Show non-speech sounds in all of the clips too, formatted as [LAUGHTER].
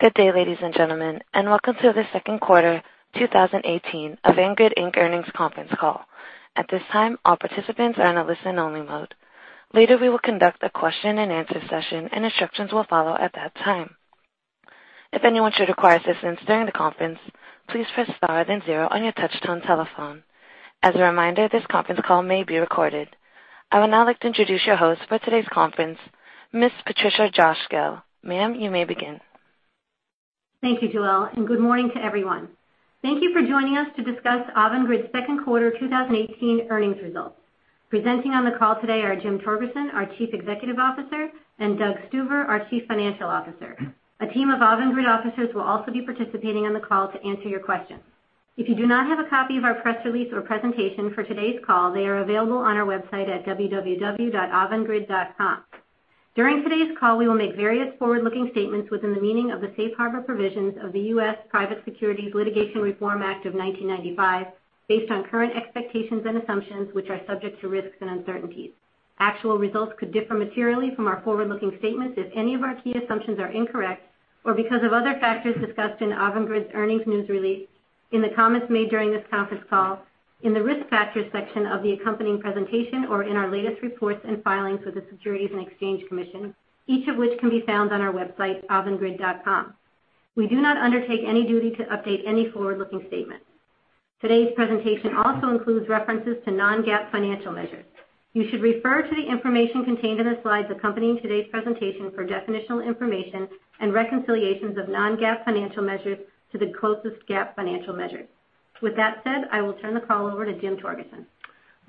Good day, ladies and gentlemen, and welcome to the second quarter 2018 Avangrid, Inc. earnings conference call. At this time, all participants are in a listen-only mode. Later, we will conduct a question-and-answer session, and instructions will follow at that time. If anyone should require assistance during the conference, please press star then zero on your touch-tone telephone. As a reminder, this conference call may be recorded. I would now like to introduce your host for today's conference, Ms. Patricia Cosgel, ma'am, you may begin. Thank you, Joelle, and good morning to everyone. Thank you for joining us to discuss Avangrid's second quarter 2018 earnings results. Presenting on the call today are Jim Torgerson, our Chief Executive Officer, and Doug Stuver, our Chief Financial Officer. A team of Avangrid officers will also be participating on the call to answer your questions. If you do not have a copy of our press release or presentation for today's call, they are available on our website at www.avangrid.com. During today's call, we will make various forward-looking statements within the meaning of the Safe Harbor provisions of the U.S. Private Securities Litigation Reform Act of 1995 based on current expectations and assumptions, which are subject to risks and uncertainties. Actual results could differ materially from our forward-looking statements if any of our key assumptions are incorrect or because of other factors discussed in Avangrid's earnings news release, in the comments made during this conference call, in the Risk Factors section of the accompanying presentation, or in our latest reports and filings with the Securities and Exchange Commission, each of which can be found on our website, avangrid.com. We do not undertake any duty to update any forward-looking statement. Today's presentation also includes references to non-GAAP financial measures. You should refer to the information contained in the slides accompanying today's presentation for definitional information and reconciliations of non-GAAP financial measures to the closest GAAP financial measure. With that said, I will turn the call over to Jim Torgerson.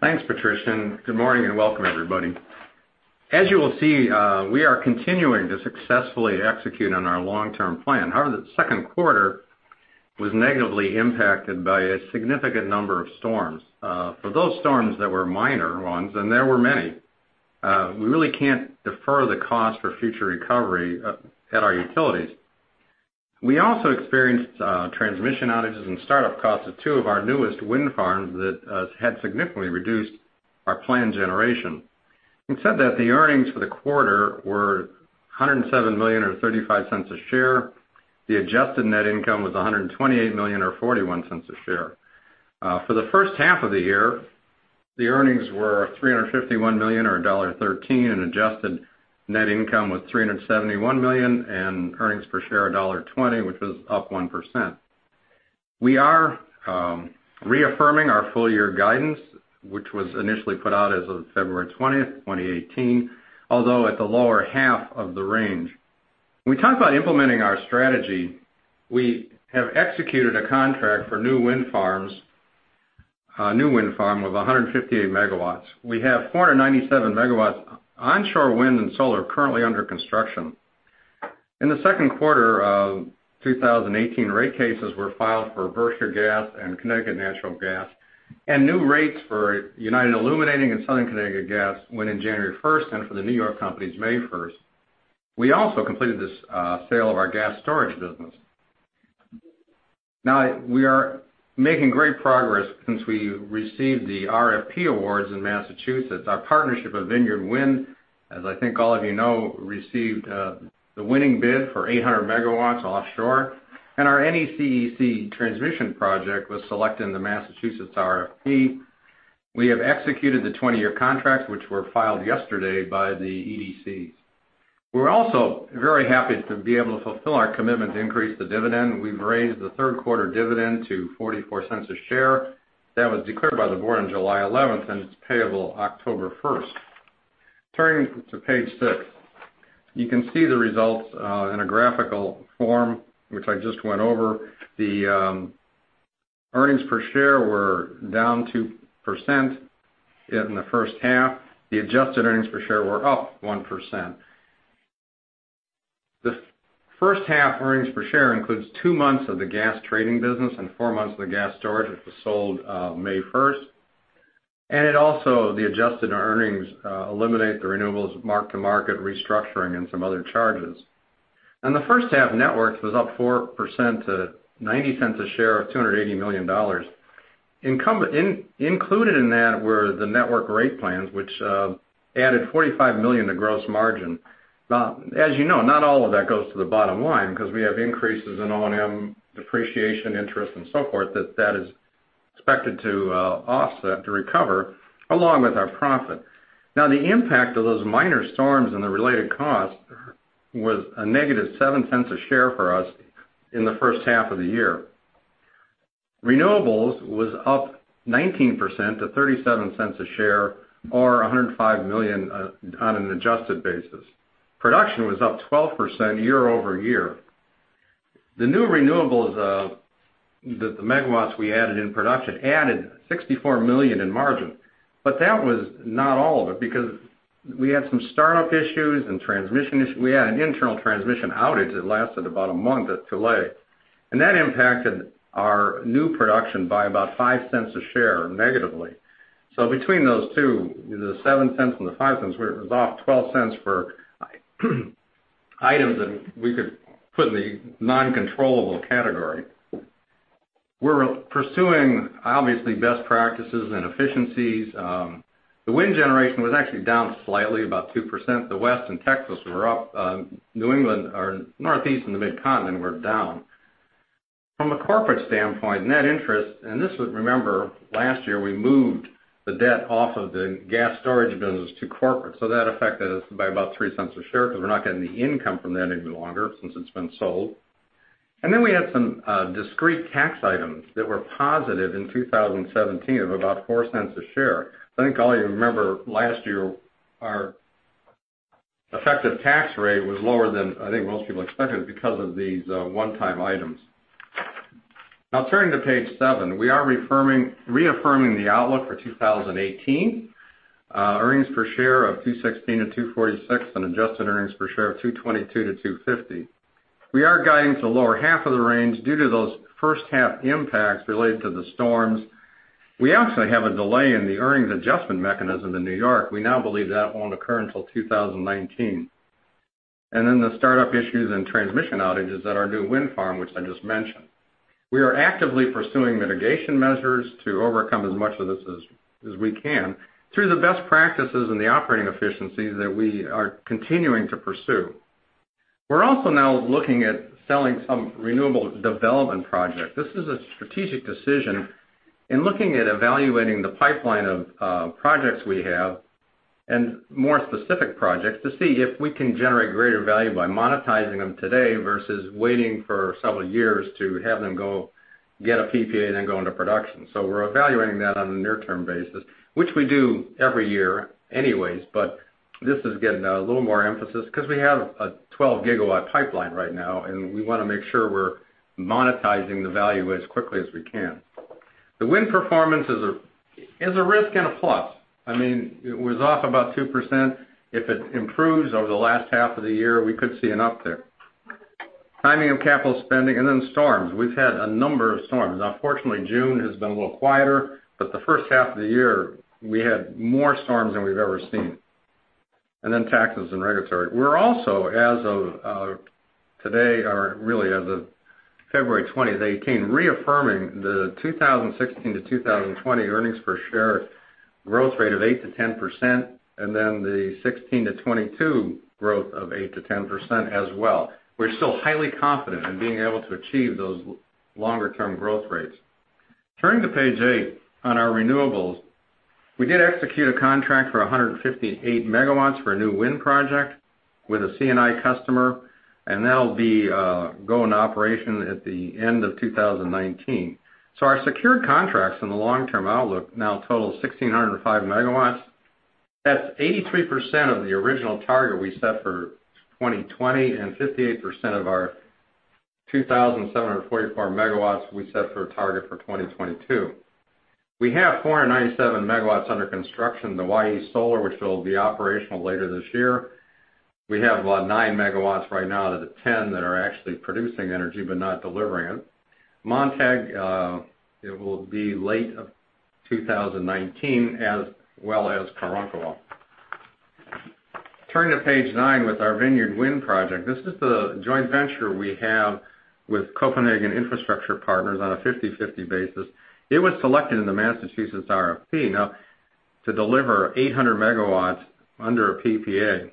Thanks, Patricia, and good morning and welcome everybody. As you will see, we are continuing to successfully execute on our long-term plan. However, the second quarter was negatively impacted by a significant number of storms. For those storms that were minor ones, and there were many, we really can't defer the cost for future recovery at our utilities. We also experienced transmission outages and start-up costs at two of our newest wind farms that had significantly reduced our planned generation. In said that, the earnings for the quarter were $107 million or $0.35 a share. The adjusted net income was $128 million or $0.41 a share. For the first half of the year, the earnings were $351 million or $1.13, and adjusted net income was $371 million, and earnings per share $1.20, which was up 1%. We are reaffirming our full-year guidance, which was initially put out as of February 20th, 2018, although at the lower half of the range. When we talk about implementing our strategy, we have executed a contract for a new wind farm of 158 MW. We have 497 MW onshore wind and solar currently under construction. In the second quarter of 2018, rate cases were filed for Berkshire Gas and Connecticut Natural Gas, and new rates for United Illuminating and Southern Connecticut Gas went in January 1st, and for the New York companies, May 1st. We also completed the sale of our gas storage business. We are making great progress since we received the RFP awards in Massachusetts. Our partnership with Vineyard Wind, as I think all of you know, received the winning bid for 800 MW offshore, and our NECEC transmission project was selected in the Massachusetts RFP. We have executed the 20-year contracts, which were filed yesterday by the EDC. We are also very happy to be able to fulfill our commitment to increase the dividend. We have raised the third quarter dividend to $0.44 a share. That was declared by the board on July 11th, and it is payable October 1st. Turning to page six. You can see the results in a graphical form, which I just went over. The earnings per share were down 2% in the first half. The adjusted earnings per share were up 1%. The first half earnings per share includes two months of the gas trading business and four months of the gas storage, which was sold May 1st, and it also, the adjusted earnings eliminate the renewables mark-to-market restructuring and some other charges. On the first half, networks was up 4% to $0.90 a share of $280 million. Included in that were the network rate plans, which added $45 million to gross margin. As you know, not all of that goes to the bottom line because we have increases in O&M, depreciation, interest, and so forth that is expected to offset to recover along with our profit. The impact of those minor storms and the related cost was a negative $0.07 a share for us in the first half of the year. Renewables was up 19% to $0.37 a share or $105 million on an adjusted basis. Production was up 12% year-over-year. The new renewables, the MW we added in production added $64 million in margin. But that was not all of it because we had some start-up issues and transmission issues. We had an internal transmission outage that lasted about a month at Tule, and that impacted our new production by about $0.05 a share negatively. So between those two, the $0.07 and the $0.05, it was off $0.12 for items that we could put in the non-controllable category. We are pursuing obviously best practices and efficiencies. The wind generation was actually down slightly, about 2%. The West and Texas were up. New England or Northeast and the Mid-Continent were down. From a corporate standpoint, net interest, and this would Remember last year, we moved the debt off of the gas storage business to corporate. So that affected us by about $0.03 a share because we are not getting the income from that any longer since it has been sold. And then we had some discrete tax items that were positive in 2017 of about $0.04 a share. I think all of you remember last year, our effective tax rate was lower than I think most people expected because of these one-time items. Turning to page seven, we are reaffirming the outlook for 2018. Earnings per share of $2.16-$2.46 and adjusted earnings per share of $2.22-$2.50. We are guiding to the lower half of the range due to those first half impacts related to the storms. We actually have a delay in the earnings adjustment mechanism in N.Y. We now believe that won't occur until 2019. The startup issues and transmission outages at our new wind farm, which I just mentioned. We are actively pursuing mitigation measures to overcome as much of this as we can through the best practices and the operating efficiencies that we are continuing to pursue. We are also now looking at selling some renewable development projects. This is a strategic decision in looking at evaluating the pipeline of projects we have and more specific projects to see if we can generate greater value by monetizing them today versus waiting for several years to have them go get a PPA, then go into production. We are evaluating that on a near-term basis, which we do every year anyways, but this is getting a little more emphasis because we have a 12-gigawatt pipeline right now, and we want to make sure we are monetizing the value as quickly as we can. The wind performance is a risk and a plus. It was off about 2%. If it improves over the last half of the year, we could see an up there. Timing of capital spending. Storms. We have had a number of storms. Unfortunately, June has been a little quieter, the first half of the year, we had more storms than we have ever seen. Taxes and regulatory. We are also, as of today, or really as of February 20, 2018, reaffirming the 2016-2020 earnings per share growth rate of 8%-10%, the 2016-2022 growth of 8%-10% as well. We are still highly confident in being able to achieve those longer-term growth rates. Turning to page eight on our renewables, we did execute a contract for 158 megawatts for a new wind project with a C&I customer, and that will be go in operation at the end of 2019. Our secured contracts in the long-term outlook now total 1,605 megawatts. That is 83% of the original target we set for 2020 and 58% of our 2,744 megawatts we set for a target for 2022. We have 497 megawatts under construction, the Hawaii solar, which will be operational later this year. We have nine megawatts right now out of the 10 that are actually producing energy but not delivering it. Montague, it will be late of 2019 as well as Karankawa. Turning to page nine with our Vineyard Wind project. This is the joint venture we have with Copenhagen Infrastructure Partners on a 50/50 basis. It was selected in the Massachusetts RFP to deliver 800 megawatts under a PPA.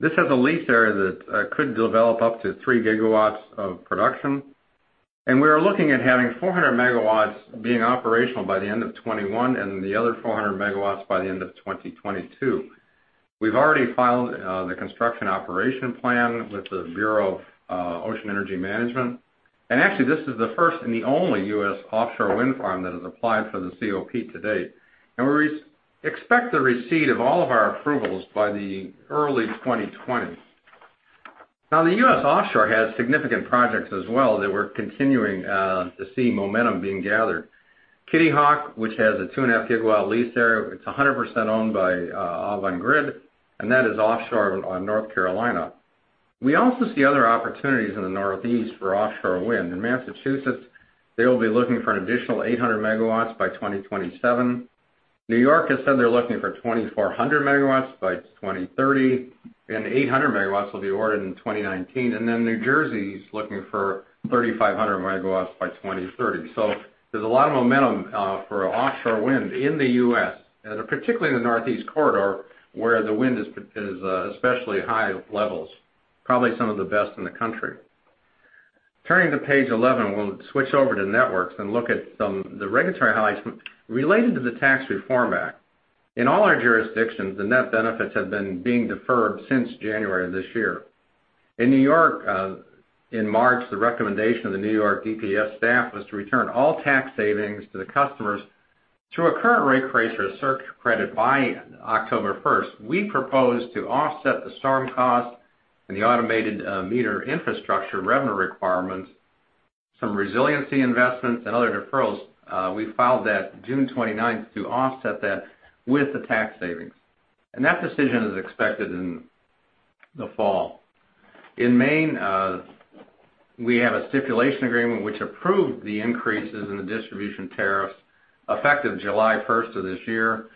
This has a lease there that could develop up to three gigawatts of production. We are looking at having 400 megawatts being operational by the end of 2021 and the other 400 megawatts by the end of 2022. We have already filed the construction operation plan with the Bureau of Ocean Energy Management. This is the first and the only U.S. offshore wind farm that has applied for the COP to date. We expect the receipt of all of our approvals by the early 2020. The U.S. offshore has significant projects as well that we're continuing to see momentum being gathered. Kitty Hawk, which has a 2.5 gigawatt lease there, it's 100% owned by Avangrid, and that is offshore on North Carolina. We also see other opportunities in the northeast for offshore wind. In Massachusetts, they will be looking for an additional 800 megawatts by 2027. New York has said they're looking for 2,400 megawatts by 2030, and 800 megawatts will be ordered in 2019. New Jersey is looking for 3,500 megawatts by 2030. There's a lot of momentum for offshore wind in the U.S., and particularly in the northeast corridor, where the wind is especially high levels, probably some of the best in the country. Turning to page 11, we'll switch over to networks and look at some of the regulatory highlights related to the Tax Reform Act. In all our jurisdictions, the net benefits have been being deferred since January of this year. In New York, in March, the recommendation of the New York DPS staff was to return all tax savings to the customers through a current rate case or a surcharge credit by October 1st. We proposed to offset the storm costs and the automated meter infrastructure revenue requirements, some resiliency investments, and other deferrals. We filed that June 29th to offset that with the tax savings. That decision is expected in the fall. In Maine, we have a stipulation agreement which approved the increases in the distribution tariffs Effective July 1st of this year,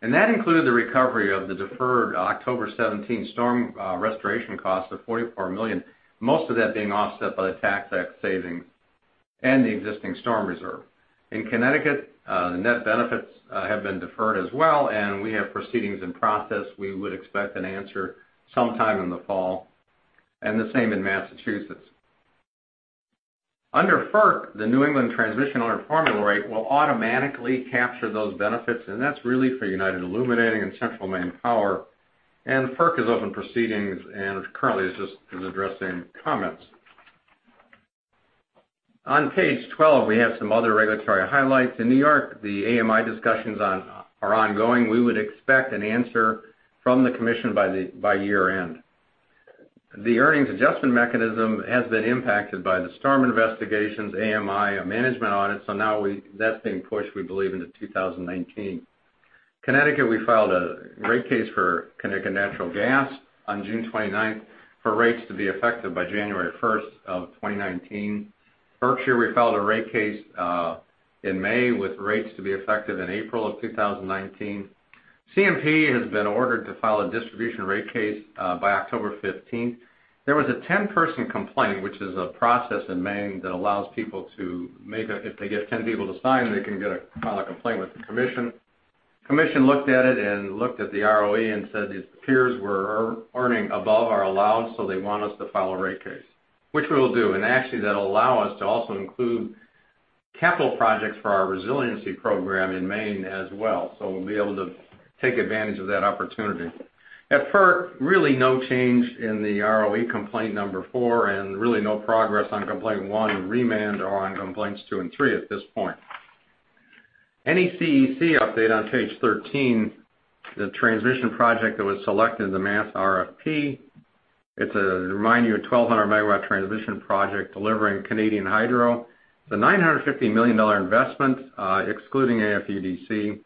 and that included the recovery of the deferred October 17 storm restoration cost of $44 million, most of that being offset by the tax savings and the existing storm reserve. In Connecticut, the net benefits have been deferred as well, we have proceedings in process. We would expect an answer sometime in the fall, the same in Massachusetts. Under FERC, the New England Transmission Reform Rate will automatically capture those benefits, and that's really for United Illuminating and Central Maine Power. FERC is open proceedings and currently is just addressing comments. On page 12, we have some other regulatory highlights. In New York, the AMI discussions are ongoing. We would expect an answer from the commission by year-end. The earnings adjustment mechanism has been impacted by the storm investigations, AMI, a management audit. That's being pushed, we believe, into 2019. Connecticut, we filed a rate case for Connecticut Natural Gas on June 29th for rates to be effective by January 1st of 2019. Berkshire, we filed a rate case in May with rates to be effective in April of 2019. CMP has been ordered to file a distribution rate case by October 15th. There was a 10-person complaint, which is a process in Maine that allows people to make if they get 10 people to sign, they can file a complaint with the commission. Commission looked at it and looked at the ROE and said its peers were earning above our allowance, so they want us to file a rate case, which we will do. Actually, that'll allow us to also include capital projects for our resiliency program in Maine as well. We'll be able to take advantage of that opportunity. At FERC, really no change in the ROE complaint number four, really no progress on complaint one, remand or on complaints two and three at this point. NECEC update on page 13, the transition project that was selected in the Mass RFP. It's a, remind you, a 1,200-megawatt transition project delivering Canadian hydro. It's a $950 million investment, excluding AFUDC.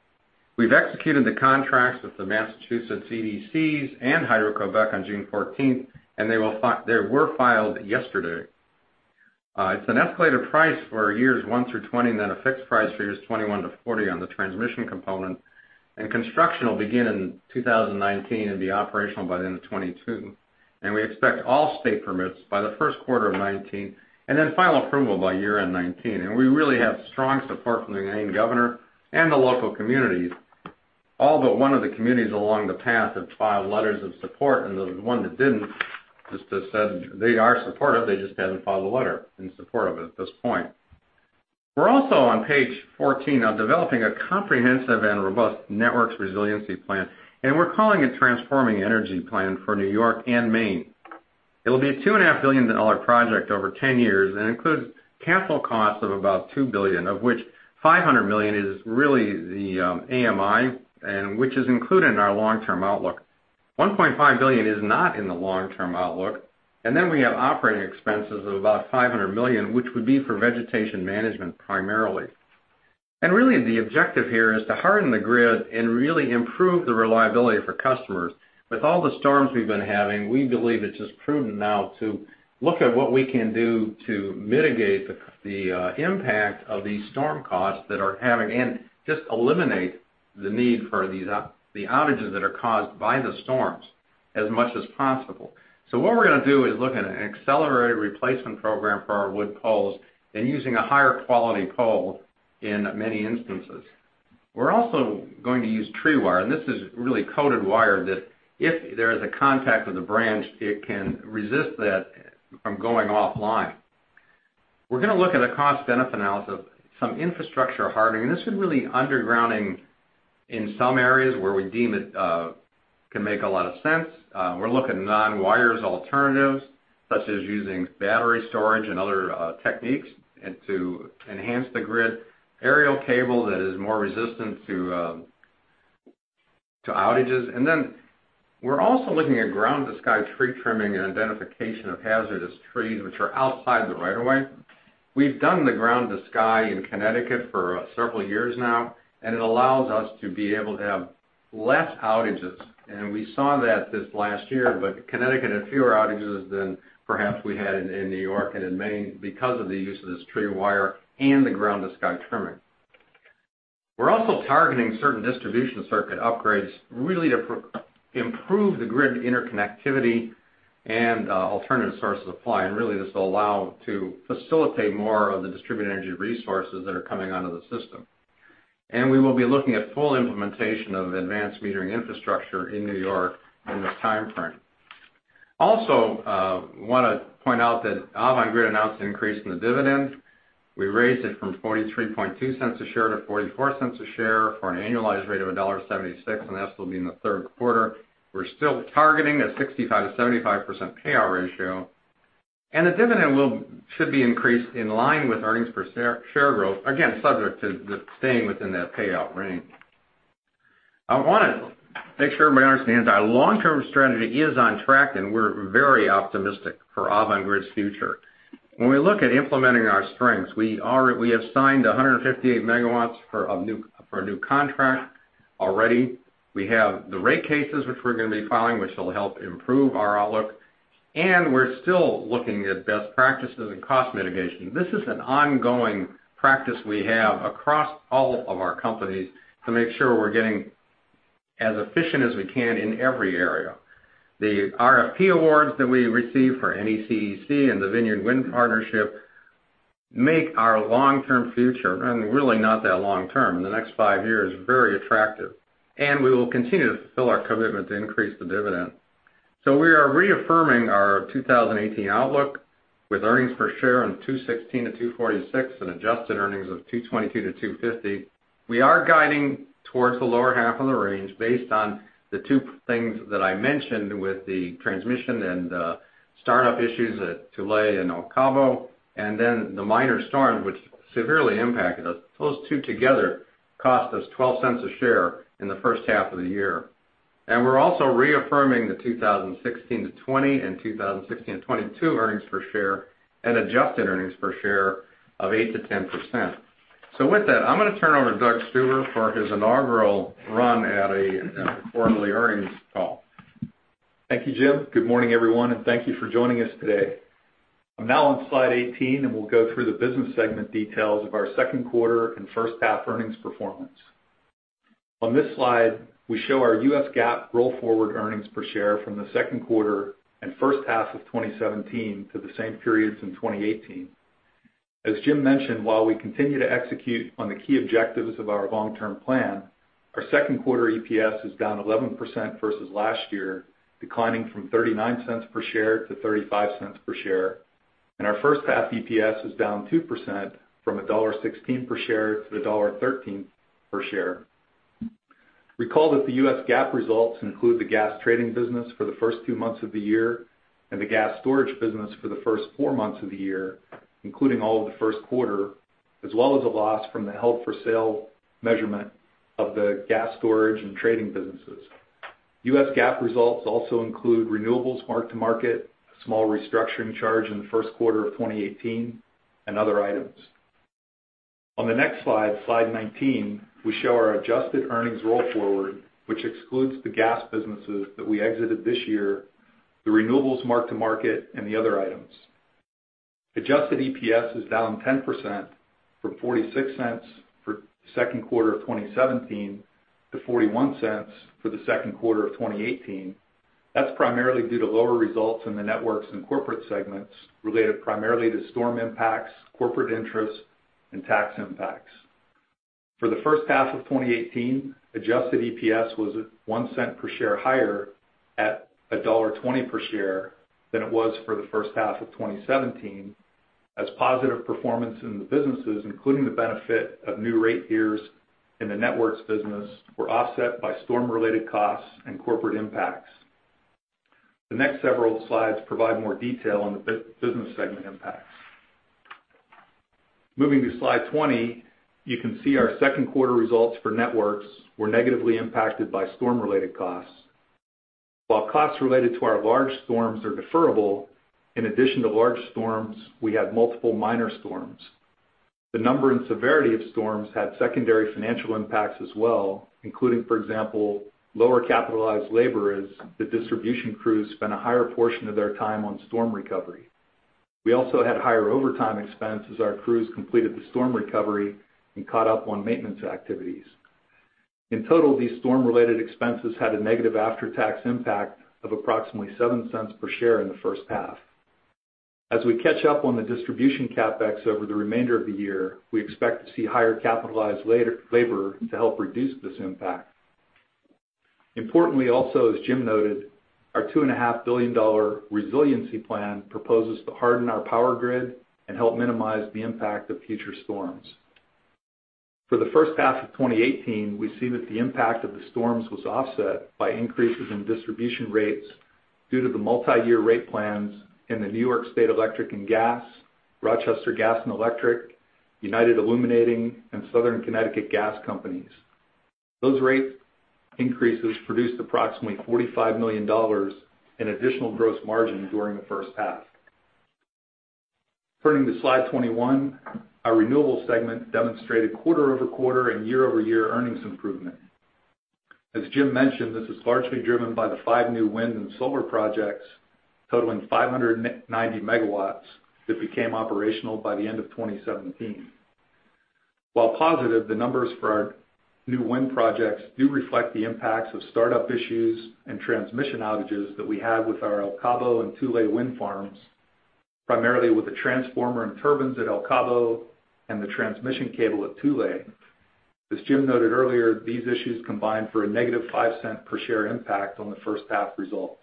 We've executed the contracts with the Massachusetts EDCs and Hydro-Québec on June 14th, and they were filed yesterday. It's an escalated price for years one through 20, then a fixed price for years 21 to 40 on the transmission component. Construction will begin in 2019 and be operational by the end of 2022. We expect all state permits by the first quarter of 2019, then final approval by year-end 2019. We really have strong support from the Maine governor and the local communities. All but one of the communities along the path have filed letters of support, and the one that didn't, just said, they are supportive, they just haven't filed a letter in support of it at this point. We're also on page 14, developing a comprehensive and robust Networks resiliency plan, we're calling it Transforming Energy Plan for New York and Maine. It'll be a $2.5 billion project over 10 years and includes capital costs of about $2 billion, of which $500 million is really the AMI, which is included in our long-term outlook. $1.5 billion is not in the long-term outlook. We have operating expenses of about $500 million, which would be for vegetation management primarily. Really the objective here is to harden the grid and really improve the reliability for customers. With all the storms we've been having, we believe it's just prudent now to look at what we can do to mitigate the impact of these storm costs that are having, just eliminate the need for the outages that are caused by the storms as much as possible. What we're going to do is look at an accelerated replacement program for our wood poles and using a higher quality pole in many instances. We're also going to use Tree Wire, this is really coated wire that if there is a contact with a branch, it can resist that from going offline. We're going to look at a cost-benefit analysis of some infrastructure hardening. This is really undergrounding in some areas where we deem it can make a lot of sense. We're looking at non-wires alternatives, such as using battery storage and other techniques to enhance the grid. Aerial cable that is more resistant to outages. We're also looking at ground-to-sky tree trimming and identification of hazardous trees which are outside the right of way. We've done the ground-to-sky in Connecticut for several years now, it allows us to be able to have less outages. We saw that this last year, Connecticut had fewer outages than perhaps we had in New York and in Maine because of the use of this Tree Wire and the ground-to-sky trimming. We're also targeting certain distribution circuit upgrades really to improve the grid interconnectivity and alternative sources of supply. This will allow to facilitate more of the distributed energy resources that are coming onto the system. We will be looking at full implementation of advanced metering infrastructure in New York in this timeframe. Also, I want to point out that Avangrid announced an increase in the dividend. We raised it from $0.432 a share to $0.44 a share for an annualized rate of $1.76, and that will be in the third quarter. We're still targeting a 65%-75% payout ratio. The dividend should be increased in line with earnings per share growth, again, subject to staying within that payout range. I want to make sure everybody understands our long-term strategy is on track. We're very optimistic for Avangrid's future. When we look at implementing our strengths, we have signed 158 megawatts for a new contract. Already, we have the rate cases which we're going to be filing, which will help improve our outlook. We're still looking at best practices and cost mitigation. This is an ongoing practice we have across all of our companies to make sure we're getting as efficient as we can in every area. The RFP awards that we receive for NECEC and the Vineyard Wind partnership make our long-term future, really not that long-term, in the next five years, very attractive. We will continue to fulfill our commitment to increase the dividend. We are reaffirming our 2018 outlook with earnings per share of $2.16-$2.46 and adjusted earnings of $2.22-$2.50. We are guiding towards the lower half of the range based on the two things that I mentioned with the transmission and the start-up issues at Tule and El Cabo. The minor storms, which severely impacted us, those two together cost us $0.12 a share in the first half of the year. We're also reaffirming the 2016-2020 and 2016-2022 earnings per share and adjusted earnings per share of 8%-10%. With that, I'm going to turn over to Doug Stuver for his inaugural run at a quarterly earnings call. Thank you, Jim. Good morning, everyone. Thank you for joining us today. I'm now on slide 18. We'll go through the business segment details of our second quarter and first half earnings performance. On this slide, we show our U.S. GAAP roll-forward earnings per share from the second quarter and first half of 2017 to the same periods in 2018. As Jim mentioned, while we continue to execute on the key objectives of our long-term plan, our second quarter EPS is down 11% versus last year, declining from $0.39 per share to $0.35 per share. Our first half EPS is down 2% from $1.16 per share to $1.13 per share. Recall that the U.S. GAAP results include the gas trading business for the first two months of the year and the gas storage business for the first four months of the year, including all of the first quarter, as well as a loss from the held-for-sale measurement of the gas storage and trading businesses. U.S. GAAP results also include renewables mark-to-market, a small restructuring charge in the first quarter of 2018, and other items. On the next slide 19, we show our adjusted earnings roll forward, which excludes the gas businesses that we exited this year, the renewables mark-to-market, and the other items. Adjusted EPS is down 10% from $0.46 for the second quarter of 2017 to $0.41 for the second quarter of 2018. That's primarily due to lower results in the networks and corporate segments related primarily to storm impacts, corporate interest, and tax impacts. For the first half of 2018, adjusted EPS was at $0.01 per share higher at $1.20 per share than it was for the first half of 2017, as positive performance in the businesses, including the benefit of new rate years in the networks business, were offset by storm-related costs and corporate impacts. The next several slides provide more detail on the business segment impacts. Moving to slide 20, you can see our second quarter results for networks were negatively impacted by storm-related costs. While costs related to our large storms are deferrable, in addition to large storms, we had multiple minor storms. The number and severity of storms had secondary financial impacts as well, including, for example, lower capitalized labor as the distribution crews spent a higher portion of their time on storm recovery. We also had higher overtime expenses as our crews completed the storm recovery and caught up on maintenance activities. In total, these storm-related expenses had a negative after-tax impact of approximately $0.07 per share in the first half. As we catch up on the distribution CapEx over the remainder of the year, we expect to see higher capitalized labor to help reduce this impact. Importantly, also, as Jim noted, our $2.5 billion resiliency plan proposes to harden our power grid and help minimize the impact of future storms. For the first half of 2018, we see that the impact of the storms was offset by increases in distribution rates due to the multi-year rate plans in the New York State Electric & Gas, Rochester Gas and Electric, United Illuminating, and Southern Connecticut Gas companies. Those rate increases produced approximately $45 million in additional gross margin during the first half. Turning to slide 21, our renewable segment demonstrated quarter-over-quarter and year-over-year earnings improvement. As Jim mentioned, this is largely driven by the five new wind and solar projects totaling 590 megawatts that became operational by the end of 2017. While positive, the numbers for our new wind projects do reflect the impacts of start-up issues and transmission outages that we had with our El Cabo and Tule wind farms, primarily with the transformer and turbines at El Cabo and the transmission cable at Tule. As Jim noted earlier, these issues combined for a negative $0.05 per share impact on the first half results.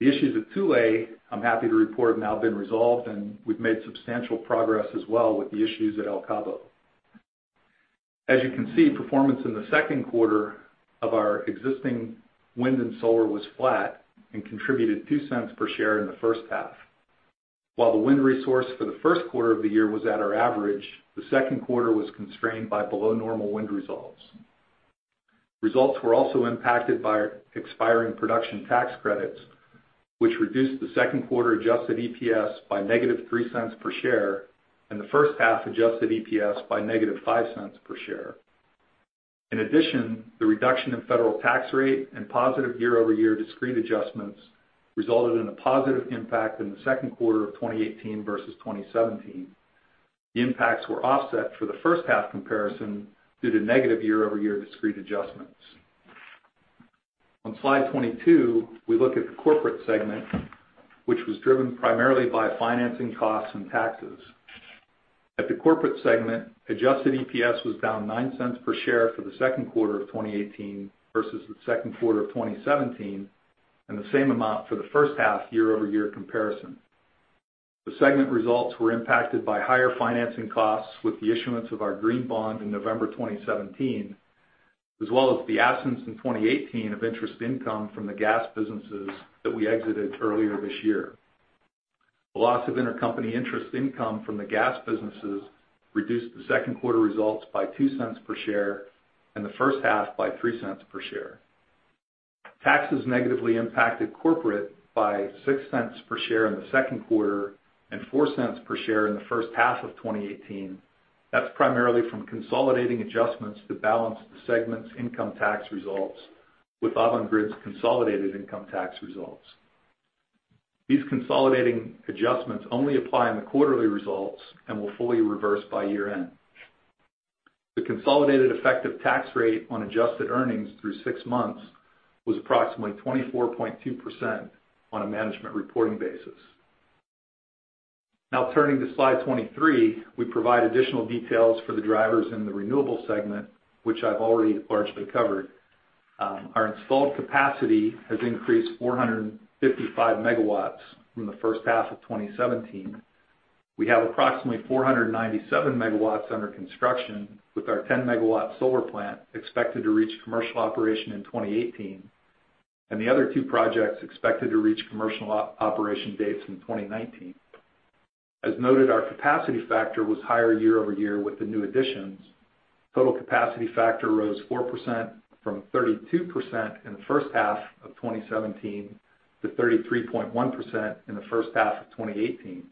The issues at Tule, I'm happy to report, have now been resolved, and we've made substantial progress as well with the issues at El Cabo. As you can see, performance in the second quarter of our existing wind and solar was flat and contributed $0.02 per share in the first half. While the wind resource for the first quarter of the year was at our average, the second quarter was constrained by below-normal wind results. Results were also impacted by expiring production tax credits, which reduced the second quarter adjusted EPS by negative $0.03 per share, and the first half adjusted EPS by negative $0.05 per share. In addition, the reduction in federal tax rate and positive year-over-year discrete adjustments resulted in a positive impact in the second quarter of 2018 versus 2017. The impacts were offset for the first half comparison due to negative year-over-year discrete adjustments. On slide 22, we look at the corporate segment, which was driven primarily by financing costs and taxes. At the corporate segment, adjusted EPS was down $0.09 per share for the second quarter of 2018 versus the second quarter of 2017, and the same amount for the first half year-over-year comparison. The segment results were impacted by higher financing costs with the issuance of our green bond in November 2017, as well as the absence in 2018 of interest income from the gas businesses that we exited earlier this year. The loss of intercompany interest income from the gas businesses reduced the second quarter results by $0.02 per share, and the first half by $0.03 per share. Taxes negatively impacted corporate by $0.06 per share in the second quarter and $0.04 per share in the first half of 2018. That's primarily from consolidating adjustments to balance the segment's income tax results with Avangrid's consolidated income tax results. These consolidating adjustments only apply in the quarterly results and will fully reverse by year-end. The consolidated effective tax rate on adjusted earnings through six months was approximately 24.2% on a management reporting basis. Turning to slide 23, we provide additional details for the drivers in the renewable segment, which I've already largely covered. Our installed capacity has increased 455 megawatts from the first half of 2017. We have approximately 497 megawatts under construction, with our 10-megawatt solar plant expected to reach commercial operation in 2018, and the other two projects expected to reach commercial operation dates in 2019. As noted, our capacity factor was higher year-over-year with the new additions. Total capacity factor rose 4% from 32% in the first half of 2017 to 33.1% in the first half of 2018.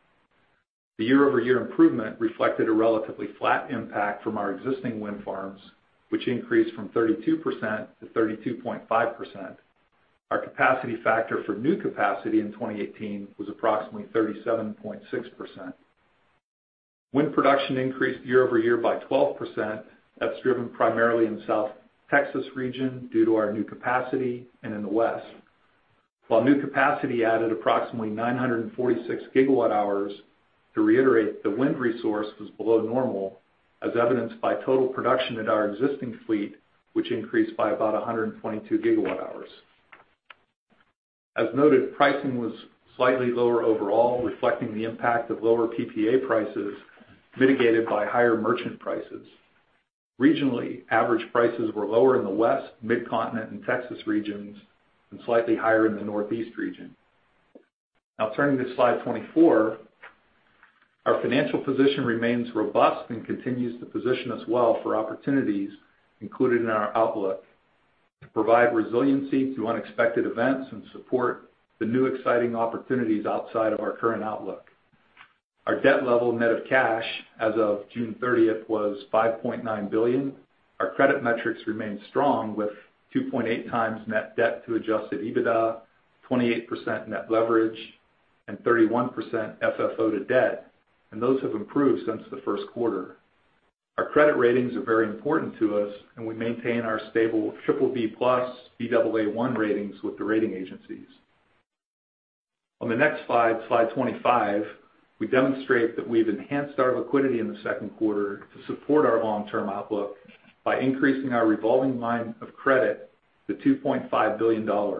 The year-over-year improvement reflected a relatively flat impact from our existing wind farms, which increased from 32% to 32.5%. Our capacity factor for new capacity in 2018 was approximately 37.6%. Wind production increased year-over-year by 12%. That's driven primarily in South Texas region due to our new capacity and in the West. While new capacity added approximately 946 gigawatt hours, to reiterate, the wind resource was below normal, as evidenced by total production at our existing fleet, which increased by about 122 gigawatt hours. As noted, pricing was slightly lower overall, reflecting the impact of lower PPA prices mitigated by higher merchant prices. Regionally, average prices were lower in the West, Midcontinent, and Texas regions and slightly higher in the Northeast region. Turning to slide 24, our financial position remains robust and continues to position us well for opportunities included in our outlook to provide resiliency through unexpected events and support the new exciting opportunities outside of our current outlook. Our debt level net of cash as of June 30th was $5.9 billion. Our credit metrics remain strong with 2.8 times net debt to adjusted EBITDA, 28% net leverage, and 31% FFO to debt, and those have improved since the first quarter. Our credit ratings are very important to us, and we maintain our stable BBB+/Baa1 ratings with the rating agencies. On the next slide 25, we demonstrate that we've enhanced our liquidity in the second quarter to support our long-term outlook by increasing our revolving line of credit to $2.5 billion.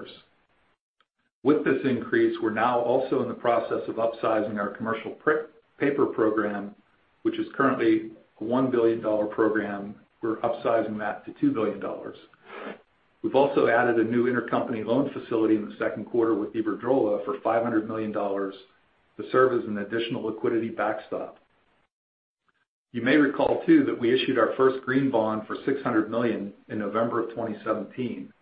With this increase, we're now also in the process of upsizing our commercial paper program, which is currently a $1 billion program. We're upsizing that to $2 billion. We've also added a new intercompany loan facility in the second quarter with Iberdrola for $500 million to serve as an additional liquidity backstop. You may recall too that we issued our first green bond for $600 million in November of 2017.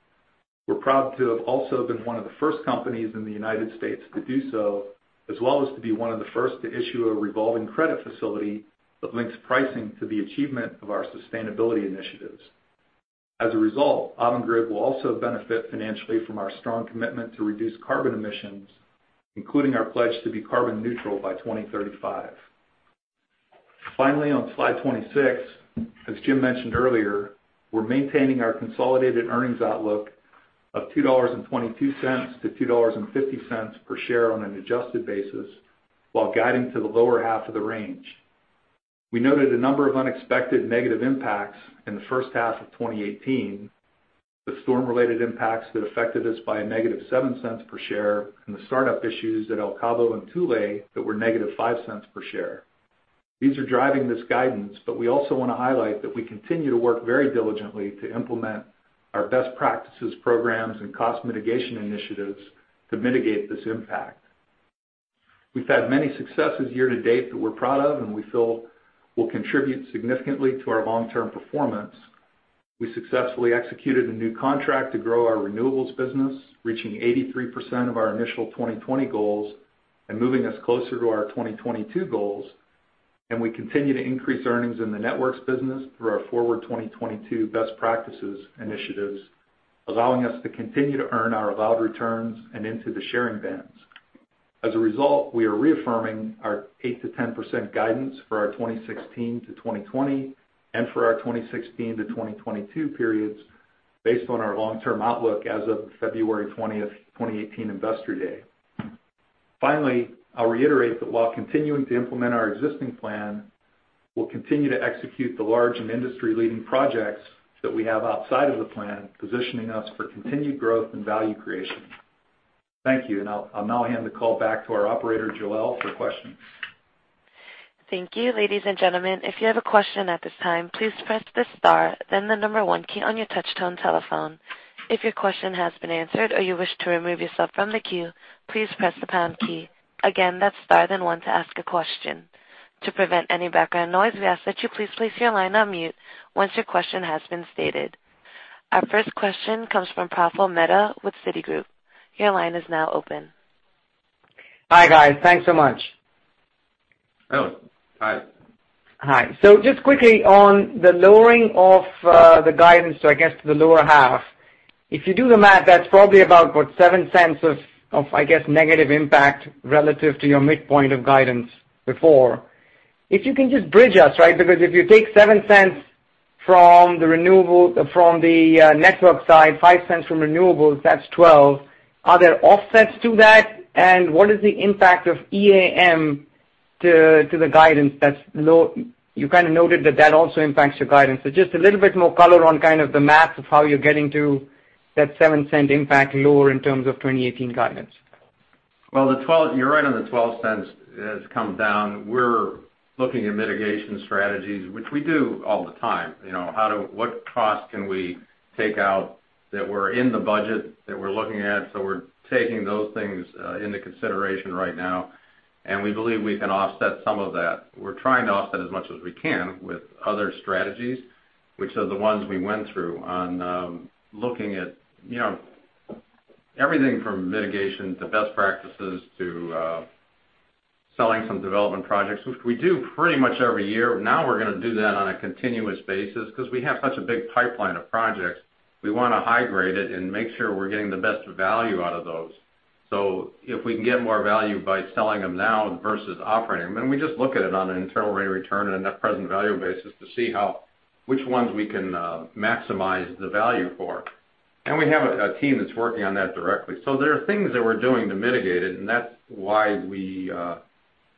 We're proud to have also been one of the first companies in the U.S. to do so, as well as to be one of the first to issue a revolving credit facility that links pricing to the achievement of our sustainability initiatives. As a result, Avangrid will also benefit financially from our strong commitment to reduce carbon emissions, including our pledge to be carbon neutral by 2035. On slide 26, as Jim mentioned earlier, we're maintaining our consolidated earnings outlook of $2.22 to $2.50 per share on an adjusted basis while guiding to the lower half of the range. We noted a number of unexpected negative impacts in the first half of 2018. The storm-related impacts that affected us by a negative $0.07 per share and the startup issues at El Cabo and Tule that were negative $0.05 per share. We also want to highlight that we continue to work very diligently to implement our best practices, programs, and cost mitigation initiatives to mitigate this impact. We've had many successes year to date that we're proud of. We feel will contribute significantly to our long-term performance. We successfully executed a new contract to grow our renewables business, reaching 83% of our initial 2020 goals and moving us closer to our 2022 goals. We continue to increase earnings in the networks business through our Forward 2022 best practices initiatives, allowing us to continue to earn our allowed returns and into the sharing bands. As a result, we are reaffirming our 8%-10% guidance for our 2016-2020, and for our 2016-2022 periods, based on our long-term outlook as of February 20, 2018 Investor Day. I'll reiterate that while continuing to implement our existing plan, we'll continue to execute the large and industry-leading projects that we have outside of the plan, positioning us for continued growth and value creation. Thank you. I'll now hand the call back to our operator, Joelle, for questions. Thank you. Ladies and gentlemen, if you have a question at this time, please press the star then the number one key on your touch-tone telephone. If your question has been answered or you wish to remove yourself from the queue, please press the pound key. Again, that's star then one to ask a question. To prevent any background noise, we ask that you please place your line on mute once your question has been stated. Our first question comes from Praful Mehta with Citigroup. Your line is now open. Hi, guys. Thanks so much. Hi. Hi. Just quickly on the lowering of the guidance, I guess to the lower half. If you do the math, that's probably about, what, $0.07 of, I guess, negative impact relative to your midpoint of guidance before. If you can just bridge us, right? If you take $0.07 from the network side, $0.05 from renewables, that's 12. Are there offsets to that? What is the impact of EAM to the guidance that's low. You kind of noted that that also impacts your guidance. Just a little bit more color on kind of the math of how you're getting to that $0.07 impact lower in terms of 2018 guidance. You're right on the $0.12 has come down. We're looking at mitigation strategies, which we do all the time. What cost can we take out that were in the budget that we're looking at? We're taking those things into consideration right now, and we believe we can offset some of that. We're trying to offset as much as we can with other strategies, which are the ones we went through on looking at everything from mitigation, to best practices, to selling some development projects, which we do pretty much every year. Now we're going to do that on a continuous basis because we have such a big pipeline of projects. We want to [INAUDIBLE] it and make sure we're getting the best value out of those. If we can get more value by selling them now versus operating them, we just look at it on an internal rate of return and a net present value basis to see which ones we can maximize the value for. We have a team that's working on that directly. There are things that we're doing to mitigate it, and that's why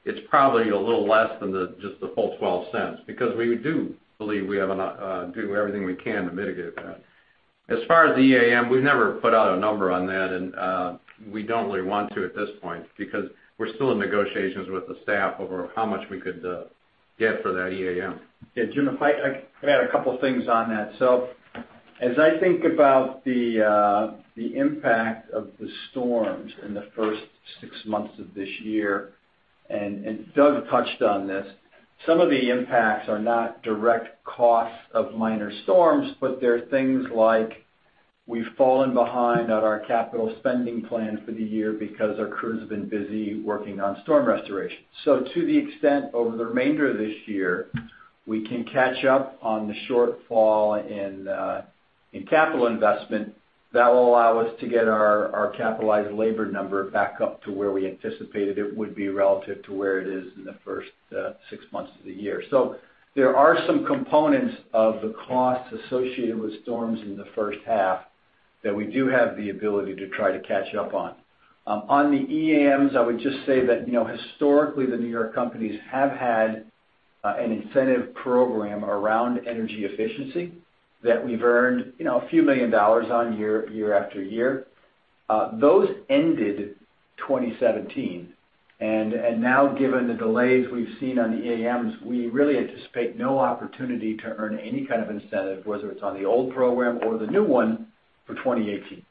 it's probably a little less than just the full $0.12 because we do believe we do everything we can to mitigate that. As far as the EAM, we've never put out a number on that, and we don't really want to at this point because we're still in negotiations with the staff over how much we could get for that EAM. Jim, if I could add a couple things on that. As I think about the impact of the storms in the first six months of this year, and Doug touched on this, some of the impacts are not direct costs of minor storms, but they're things like we've fallen behind on our capital spending plan for the year because our crews have been busy working on storm restoration. To the extent over the remainder of this year, we can catch up on the shortfall in capital investment. That will allow us to get our capitalized labor number back up to where we anticipated it would be relative to where it is in the first six months of the year. There are some components of the costs associated with storms in the first half that we do have the ability to try to catch up on. On the EAMs, I would just say that historically, the New York companies have had an incentive program around energy efficiency that we've earned a few million dollars on year after year. Those ended 2017. Now, given the delays we've seen on the EAMs, we really anticipate no opportunity to earn any kind of incentive, whether it's on the old program or the new one for 2018.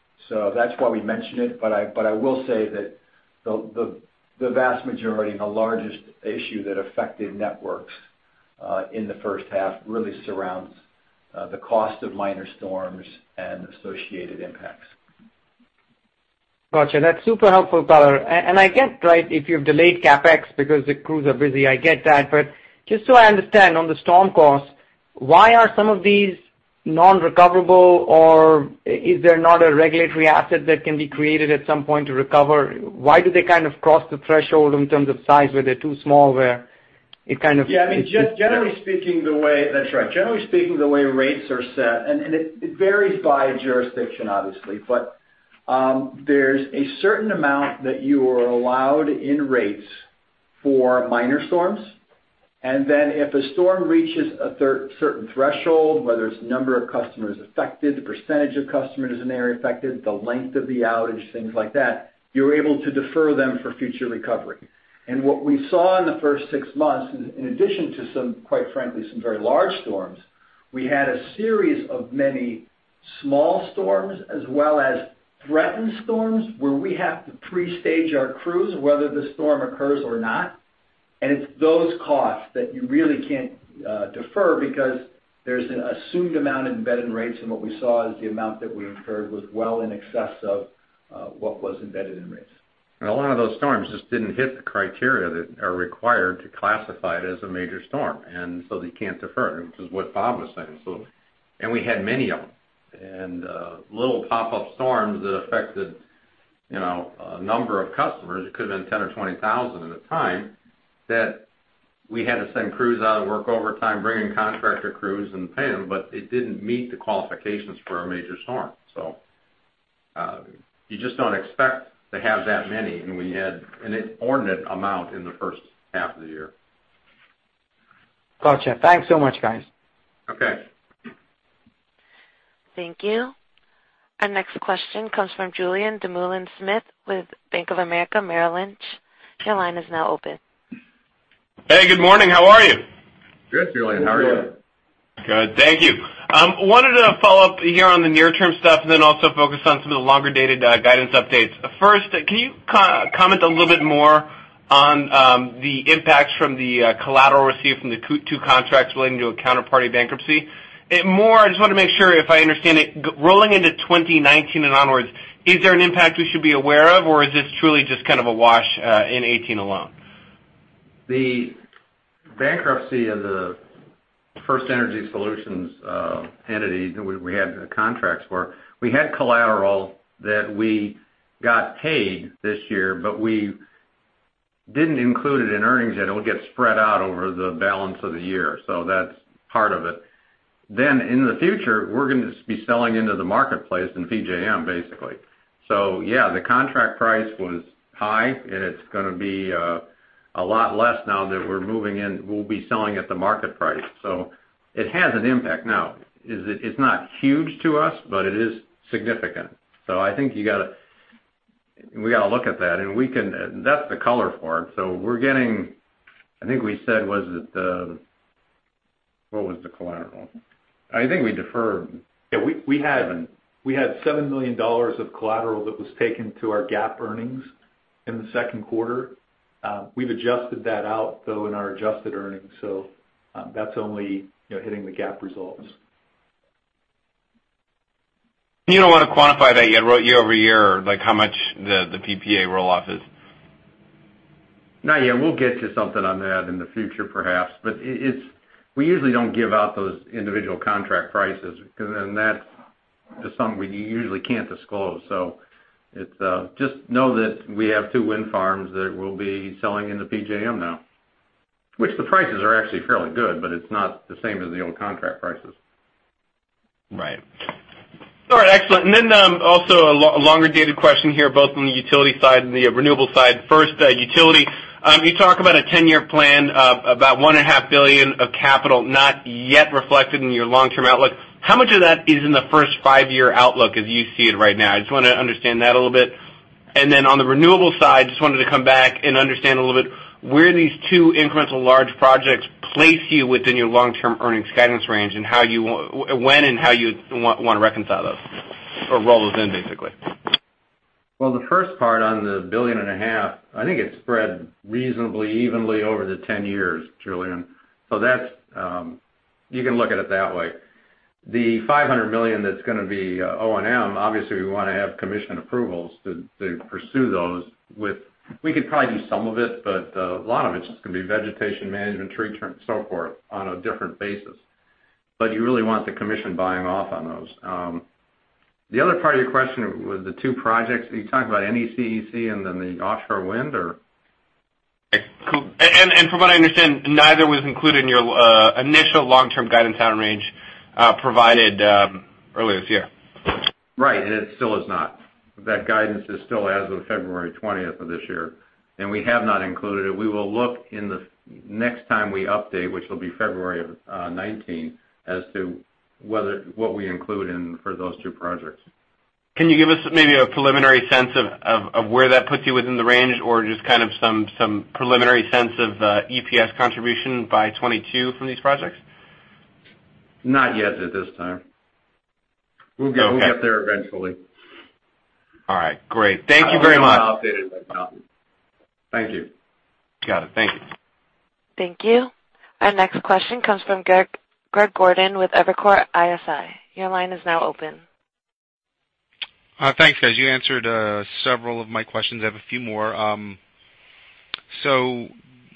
That's why we mention it. I will say that the vast majority and the largest issue that affected Networks in the first half really surrounds the cost of minor storms and associated impacts. Got you. That's super helpful color. I get if you've delayed CapEx because the crews are busy, I get that. Just so I understand on the storm cost, why are some of these non-recoverable? Or is there not a regulatory asset that can be created at some point to recover? Why do they kind of cross the threshold in terms of size where they're too small? Yeah. That's right. Generally speaking, the way rates are set, it varies by jurisdiction obviously, but there's a certain amount that you are allowed in rates for minor storms. Then if a storm reaches a certain threshold, whether it's number of customers affected, the percentage of customers in an area affected, the length of the outage, things like that, you're able to defer them for future recovery. What we saw in the first six months, in addition to some, quite frankly, some very large storms, we had a series of many Small storms as well as threatened storms where we have to pre-stage our crews whether the storm occurs or not. It's those costs that you really can't defer because there's an assumed amount embedded in rates, what we saw is the amount that we incurred was well in excess of what was embedded in rates. A lot of those storms just didn't hit the criteria that are required to classify it as a major storm. They can't defer, which is what Bob was saying. We had many of them, and little pop-up storms that affected a number of customers. It could've been 10,000 or 20,000 at a time that we had to send crews out and work overtime, bring in contractor crews and pay them, but it didn't meet the qualifications for a major storm. You just don't expect to have that many. We had an inordinate amount in the first half of the year. Gotcha. Thanks so much, guys. Okay. Thank you. Our next question comes from Julien Dumoulin-Smith with Bank of America Merrill Lynch. Your line is now open. Hey, good morning. How are you? Good, Julien. How are you? Good. Good, thank you. I wanted to follow up here on the near-term stuff and also focus on some of the longer-dated guidance updates. First, can you comment a little bit more on the impacts from the collateral received from the two contracts relating to a counterparty bankruptcy? More, I just want to make sure if I understand it, rolling into 2019 and onwards, is there an impact we should be aware of, or is this truly just a wash in 2018 alone? The bankruptcy of the FirstEnergy Solutions entity that we had contracts for, we had collateral that we got paid this year, we didn't include it in earnings yet. It'll get spread out over the balance of the year. That's part of it. In the future, we're going to be selling into the marketplace in PJM, basically. Yeah, the contract price was high, and it's going to be a lot less now that we're moving in. We'll be selling at the market price. It has an impact. Now, it's not huge to us, it is significant. I think we've got to look at that, and that's the color for it. We're getting, I think we said, what was the collateral? I think we deferred. Yeah, we had $7 million of collateral that was taken to our GAAP earnings in the second quarter. We've adjusted that out, though, in our adjusted earnings. That's only hitting the GAAP results. You don't want to quantify that year-over-year, like how much the PPA roll-off is? Not yet. We'll get to something on that in the future, perhaps. We usually don't give out those individual contract prices because that's just something we usually can't disclose. Just know that we have two wind farms that we'll be selling into PJM now. Which the prices are actually fairly good, but it's not the same as the old contract prices. Right. All right, excellent. Also a longer-dated question here, both on the utility side and the renewable side. First, utility. You talk about a 10-year plan, about one and a half billion dollars of capital not yet reflected in your long-term outlook. How much of that is in the first five-year outlook as you see it right now? I just want to understand that a little bit. On the renewable side, just wanted to come back and understand a little bit where these two incremental large projects place you within your long-term earnings guidance range and when and how you'd want to reconcile those or roll those in, basically. The first part on the billion and a half dollars, I think it's spread reasonably evenly over the 10 years, Julien. You can look at it that way. The $500 million that's going to be O&M, obviously, we want to have commission approvals to pursue those with. We could probably do some of it, but a lot of it's just going to be vegetation management, tree trim, and so forth on a different basis. You really want the commission buying off on those. The other part of your question was the two projects. Are you talking about NECEC and then the offshore wind, or? From what I understand, neither was included in your initial long-term guidance on range provided earlier this year. Right. It still is not. That guidance is still as of February 20 of this year, and we have not included it. We will look in the next time we update, which will be February of 2019, as to what we include in for those two projects. Can you give us maybe a preliminary sense of where that puts you within the range? Or just kind of some preliminary sense of EPS contribution by 2022 from these projects? Not yet at this time. Okay. We'll get there eventually. All right, great. Thank you very much. I'll update it next conference. Thank you. Got it. Thank you. Thank you. Our next question comes from Greg Gordon with Evercore ISI. Your line is now open. Thanks, guys. You answered several of my questions. I have a few more.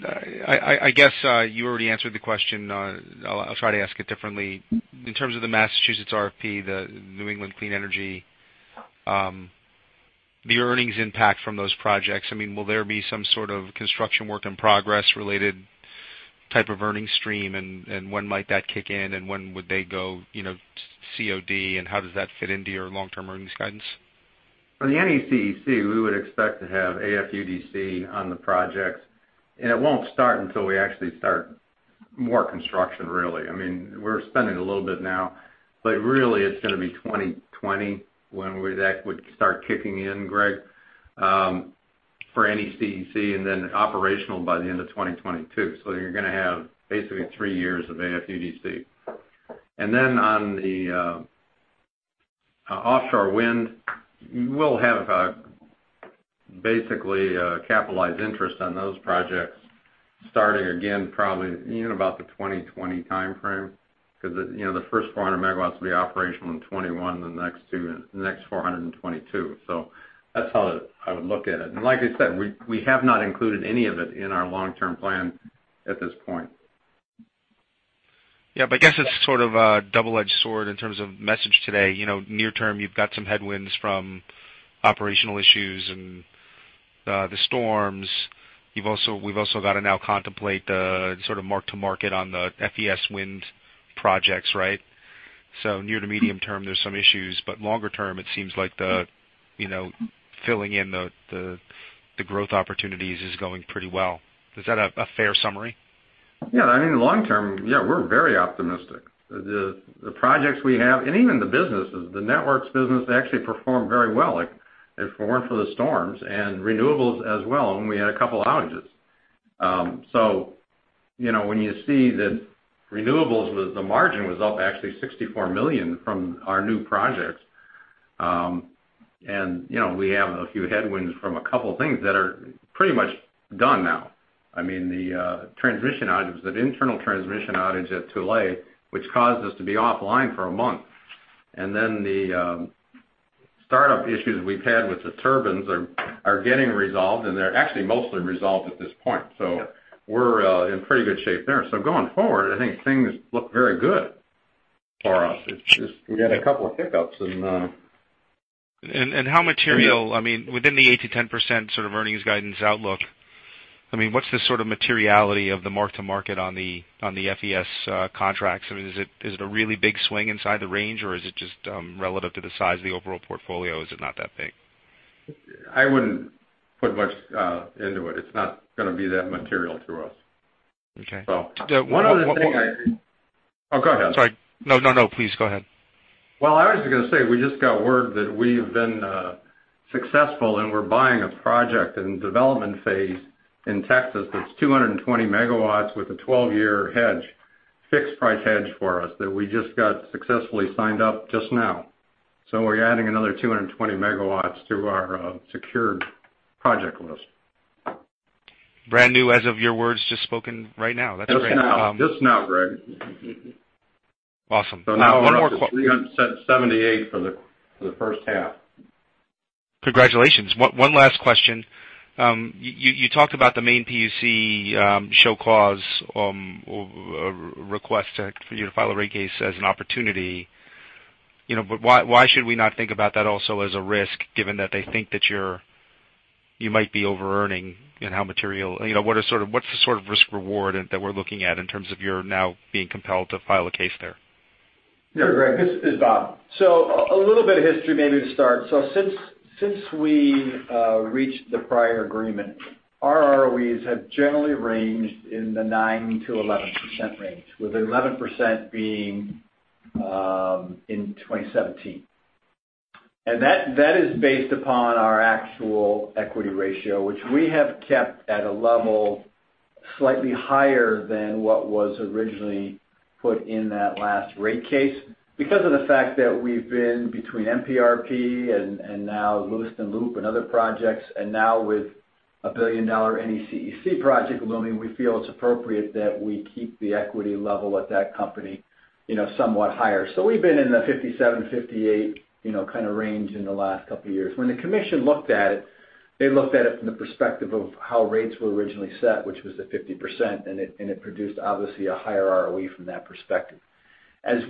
I guess you already answered the question. I'll try to ask it differently. In terms of the Massachusetts RFP, the New England Clean Energy, the earnings impact from those projects, will there be some sort of construction work in progress related type of earnings stream, and when might that kick in, and when would they go COD, and how does that fit into your long-term earnings guidance? For the NECEC, we would expect to have AFUDC on the projects. It won't start until we actually start more construction, really. We're spending a little bit now, but really it's going to be 2020 when that would start kicking in, Greg. For NECEC, then operational by the end of 2022. So you're going to have basically three years of AFUDC. On the offshore wind, we'll have basically a capitalized interest on those projects starting again, probably in about the 2020 timeframe, because the first 400 megawatts will be operational in 2021, the next 400 in 2022. That's how I would look at it. Like I said, we have not included any of it in our long-term plan at this point. Yeah. I guess it's sort of a double-edged sword in terms of message today. Near term, you've got some headwinds from operational issues and the storms. We've also got to now contemplate the sort of mark-to-market on the FES wind projects, right? Near to medium term, there's some issues, but longer term, it seems like the filling in the growth opportunities is going pretty well. Is that a fair summary? Long term, yeah, we're very optimistic. The projects we have, even the businesses. The networks business actually performed very well, if it weren't for the storms, renewables as well, and we had a couple outages. When you see that renewables, the margin was up actually $64 million from our new projects. We have a few headwinds from a couple of things that are pretty much done now. The transition outage, that internal transmission outage at Tule, which caused us to be offline for a month. The startup issues we've had with the turbines are getting resolved, and they're actually mostly resolved at this point. We're in pretty good shape there. Going forward, I think things look very good for us. It's just we had a couple of hiccups. How material, within the 8%-10% sort of earnings guidance outlook, what's the sort of materiality of the mark-to-market on the FES contracts? Is it a really big swing inside the range, or is it just relative to the size of the overall portfolio, is it not that big? I wouldn't put much into it. It's not going to be that material to us. Okay. One other thing. Oh, go ahead. Sorry. No, please go ahead. Well, I was going to say, we just got word that we've been successful, and we're buying a project in the development phase in Texas that's 220 megawatts with a 12-year hedge, fixed price hedge for us that we just got successfully signed up just now. We're adding another 220 megawatts to our secured project list. Brand new as of your words just spoken right now. That's great. Just now, Greg. Awesome. One more. We're up to 378 for the first half. Congratulations. One last question. You talked about the Maine PUC show cause request for you to file a rate case as an opportunity, why should we not think about that also as a risk, given that they think that you might be over-earning? What's the sort of risk-reward that we're looking at in terms of your now being compelled to file a case there? Greg, this is Bob. A little bit of history, maybe to start. Since we reached the prior agreement, our ROEs have generally ranged in the 9%-11% range, with 11% being in 2017. That is based upon our actual equity ratio, which we have kept at a level slightly higher than what was originally put in that last rate case because of the fact that we've been between NPRP and Lewiston Loop and other projects, with a $1 billion NECEC project looming, we feel it's appropriate that we keep the equity level at that company somewhat higher. We've been in the 57-58 kind of range in the last couple of years. When the Commission looked at it, they looked at it from the perspective of how rates were originally set, which was the 50%, and it produced, obviously, a higher ROE from that perspective.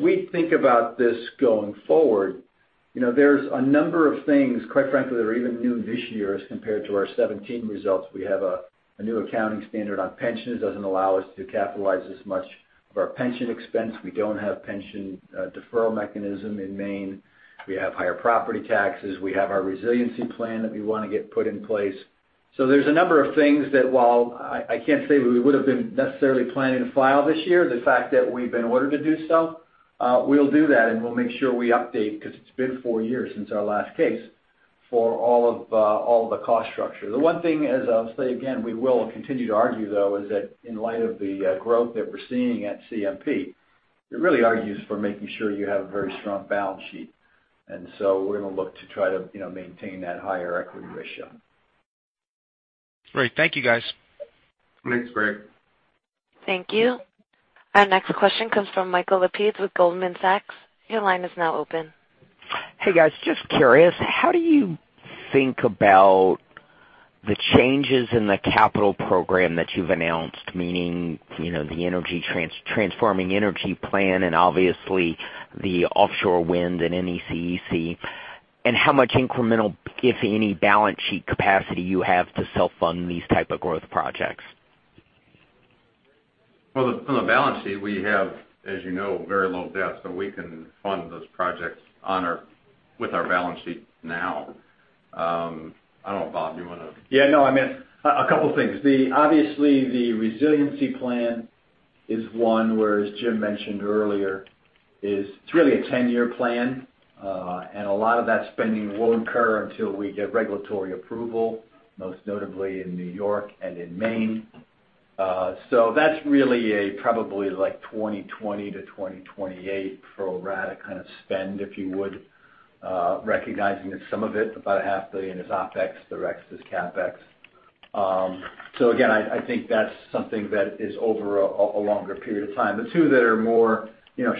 We think about this going forward, there's a number of things, quite frankly, that are even new this year as compared to our 2017 results. We have a new accounting standard on pensions. It doesn't allow us to capitalize as much of our pension expense. We don't have pension deferral mechanism in Maine. We have higher property taxes. We have our resiliency plan that we want to get put in place. There's a number of things that while I can't say we would have been necessarily planning to file this year, the fact that we've been ordered to do so, we'll do that, and we'll make sure we update because it's been four years since our last case, for all of the cost structure. The one thing, as I'll say again, we will continue to argue, though, is that in light of the growth that we're seeing at CMP, it really argues for making sure you have a very strong balance sheet. We're going to look to try to maintain that higher equity ratio. Great. Thank you, guys. Thanks, Greg. Thank you. Our next question comes from Michael Lapides with Goldman Sachs. Your line is now open. Hey, guys. Just curious, how do you think about the changes in the capital program that you've announced, meaning the Transforming Energy plan and obviously the offshore wind and NECEC? How much incremental, if any, balance sheet capacity you have to self-fund these type of growth projects? Well, from the balance sheet, we have, as you know, very low debt, so we can fund those projects with our balance sheet now. I don't know, Bob, you want to? Yeah, no, I mean, a couple of things. Obviously, the resiliency plan Is one where, as Jim mentioned earlier, it's really a 10-year plan. A lot of that spending won't occur until we get regulatory approval, most notably in New York and in Maine. That's really a probably 2020 to 2028 fpro rata kind of spend, if you would, recognizing that some of it, about a half billion, is OpEx, the rest is CapEx. Again, I think that's something that is over a longer period of time. The two that are more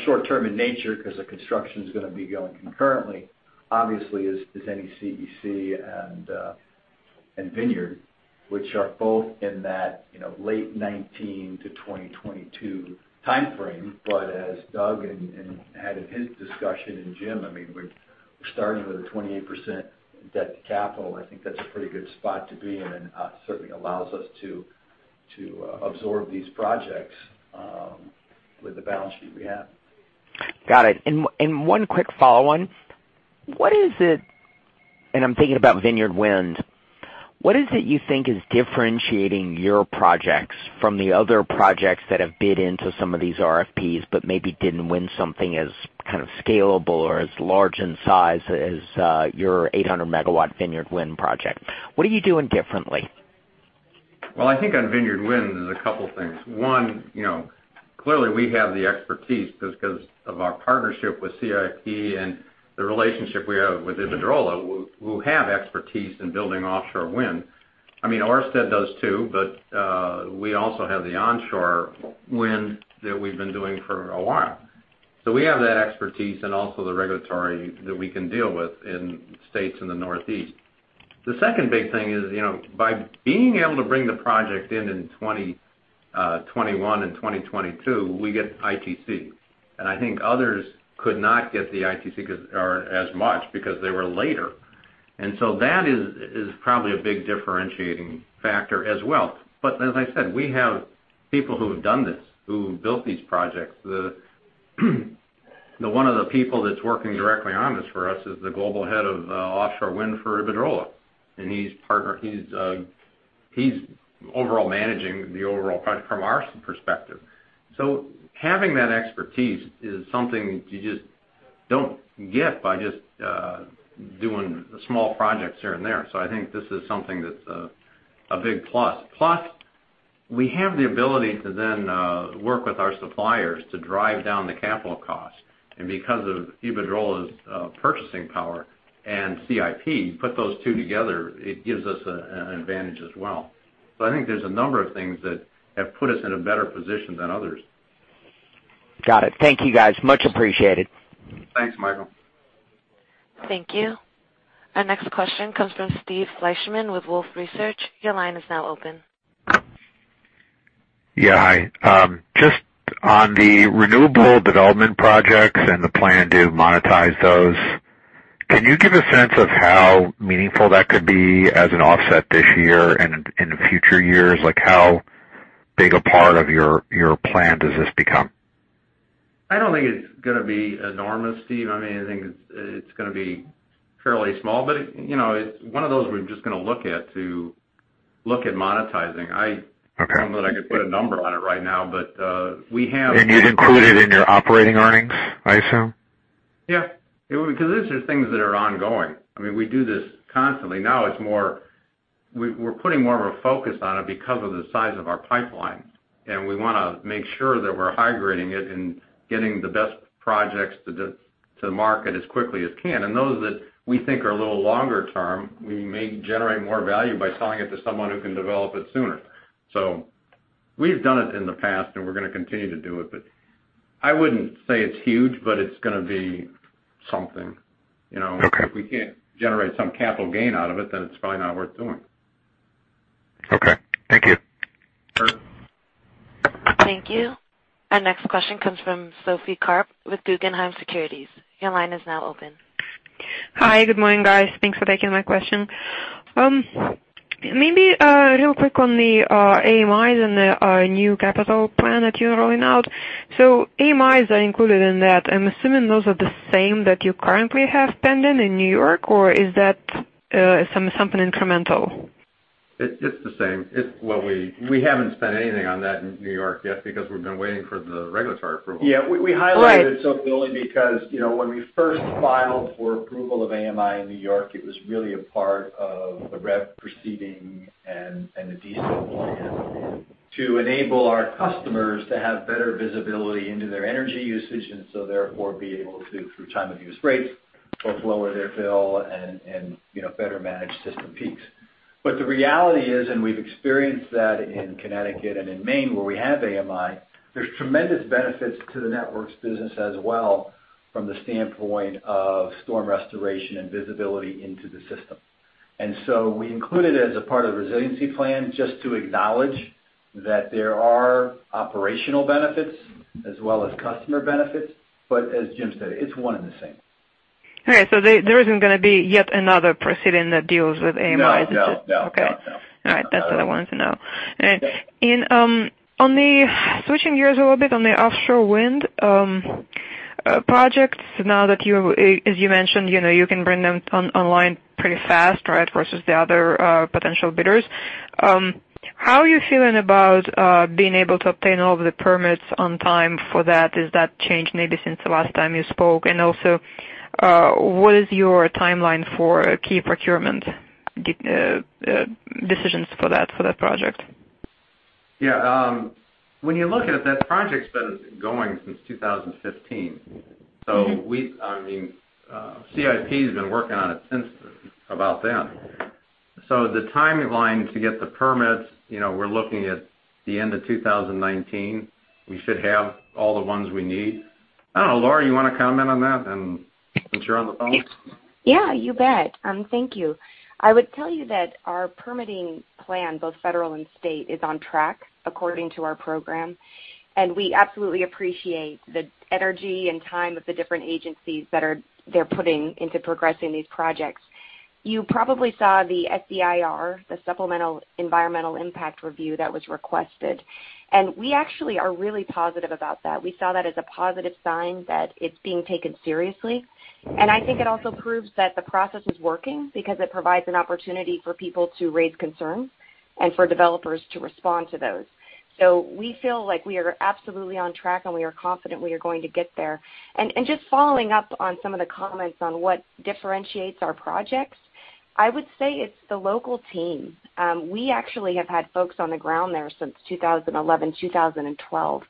short-term in nature, because the construction's going to be going concurrently, obviously is NECEC and Vineyard, which are both in that late 2019 to 2022 timeframe. As Doug added in his discussion, and Jim, we're starting with a 28% debt to capital. I think that's a pretty good spot to be in. Certainly allows us to absorb these projects with the balance sheet we have. Got it. One quick follow-on. What is it, and I'm thinking about Vineyard Wind, what is it you think is differentiating your projects from the other projects that have bid into some of these RFPs, but maybe didn't win something as scalable or as large in size as your 800-megawatt Vineyard Wind project? What are you doing differently? Well, I think on Vineyard Wind, there's a couple things. One, clearly we have the expertise just because of our partnership with CIP and the relationship we have with Iberdrola, who have expertise in building offshore wind. Orsted does too, but we also have the onshore wind that we've been doing for a while. We have that expertise and also the regulatory that we can deal with in states in the Northeast. The second big thing is, by being able to bring the project in in 2021 and 2022, we get ITC. I think others could not get the ITC, or as much, because they were later. That is probably a big differentiating factor as well. As I said, we have people who have done this, who've built these projects. One of the people that's working directly on this for us is the global head of offshore wind for Iberdrola, and he's overall managing the overall project from our perspective. Having that expertise is something that you just don't get by just doing small projects here and there. I think this is something that's a big plus. Plus, we have the ability to then work with our suppliers to drive down the capital cost. Because of Iberdrola's purchasing power and CIP, put those two together, it gives us an advantage as well. I think there's a number of things that have put us in a better position than others. Got it. Thank you, guys. Much appreciated. Thanks, Michael. Thank you. Our next question comes from Steve Fleishman with Wolfe Research. Your line is now open. Yeah, hi. Just on the renewable development projects and the plan to monetize those, can you give a sense of how meaningful that could be as an offset this year and in future years? How big a part of your plan does this become? I don't think it's going to be enormous, Steve. I think it's going to be fairly small, it's one of those we're just going to look at to look at monetizing. Okay. I don't know that I could put a number on it right now, we have- You'd include it in your operating earnings, I assume? These are things that are ongoing. We do this constantly. We're putting more of a focus on it because of the size of our pipeline, and we want to make sure that we're hybridizing it and getting the best projects to market as quickly as can. Those that we think are a little longer term, we may generate more value by selling it to someone who can develop it sooner. We've done it in the past, and we're going to continue to do it, but I wouldn't say it's huge, but it's going to be something. Okay. If we can't generate some capital gain out of it, then it's probably not worth doing. Okay. Thank you. Sure. Thank you. Our next question comes from Sophie Karp with Guggenheim Securities. Your line is now open. Hi. Good morning, guys. Thanks for taking my question. Maybe real quick on the AMIs and the new capital plan that you're rolling out. AMIs are included in that. I'm assuming those are the same that you currently have pending in New York, or is that something incremental? It's the same. We haven't spent anything on that in New York yet because we've been waiting for the regulatory approval. Right. Yeah, we highlighted it, Sophie, only because when we first filed for approval of AMI in New York, it was really a part of the REV proceeding and the DSO plan to enable our customers to have better visibility into their energy usage, and so therefore be able to, through time of use rates, both lower their bill and better manage system peaks. The reality is, and we've experienced that in Connecticut and in Maine where we have AMI, there's tremendous benefits to the networks business as well from the standpoint of storm restoration and visibility into the system. We included it as a part of the resiliency plan just to acknowledge that there are operational benefits as well as customer benefits. As Jim said, it's one and the same. All right. There isn't going to be yet another proceeding that deals with AMIs, is it? No. Okay. No. All right. That's what I wanted to know. Switching gears a little bit on the offshore wind projects now that, as you mentioned, you can bring them online pretty fast, right? Versus the other potential bidders. How are you feeling about being able to obtain all of the permits on time for that? Has that changed maybe since the last time you spoke? Also, what is your timeline for key procurement decisions for that project? Yeah. When you look at it, that project's been going since 2015. CIP has been working on it since about then. The timeline to get the permits, we're looking at the end of 2019. We should have all the ones we need. I don't know, Laura, you want to comment on that since you're on the phone? Yeah, you bet. Thank you. I would tell you that our permitting plan, both federal and state, is on track according to our program. We absolutely appreciate the energy and time of the different agencies that they're putting into progressing these projects. You probably saw the SEIR, the Supplemental Environmental Impact Review that was requested. We actually are really positive about that. We saw that as a positive sign that it's being taken seriously. I think it also proves that the process is working because it provides an opportunity for people to raise concerns and for developers to respond to those. We feel like we are absolutely on track. We are confident we are going to get there. Just following up on some of the comments on what differentiates our projects, I would say it's the local team. We actually have had folks on the ground there since 2011, 2012.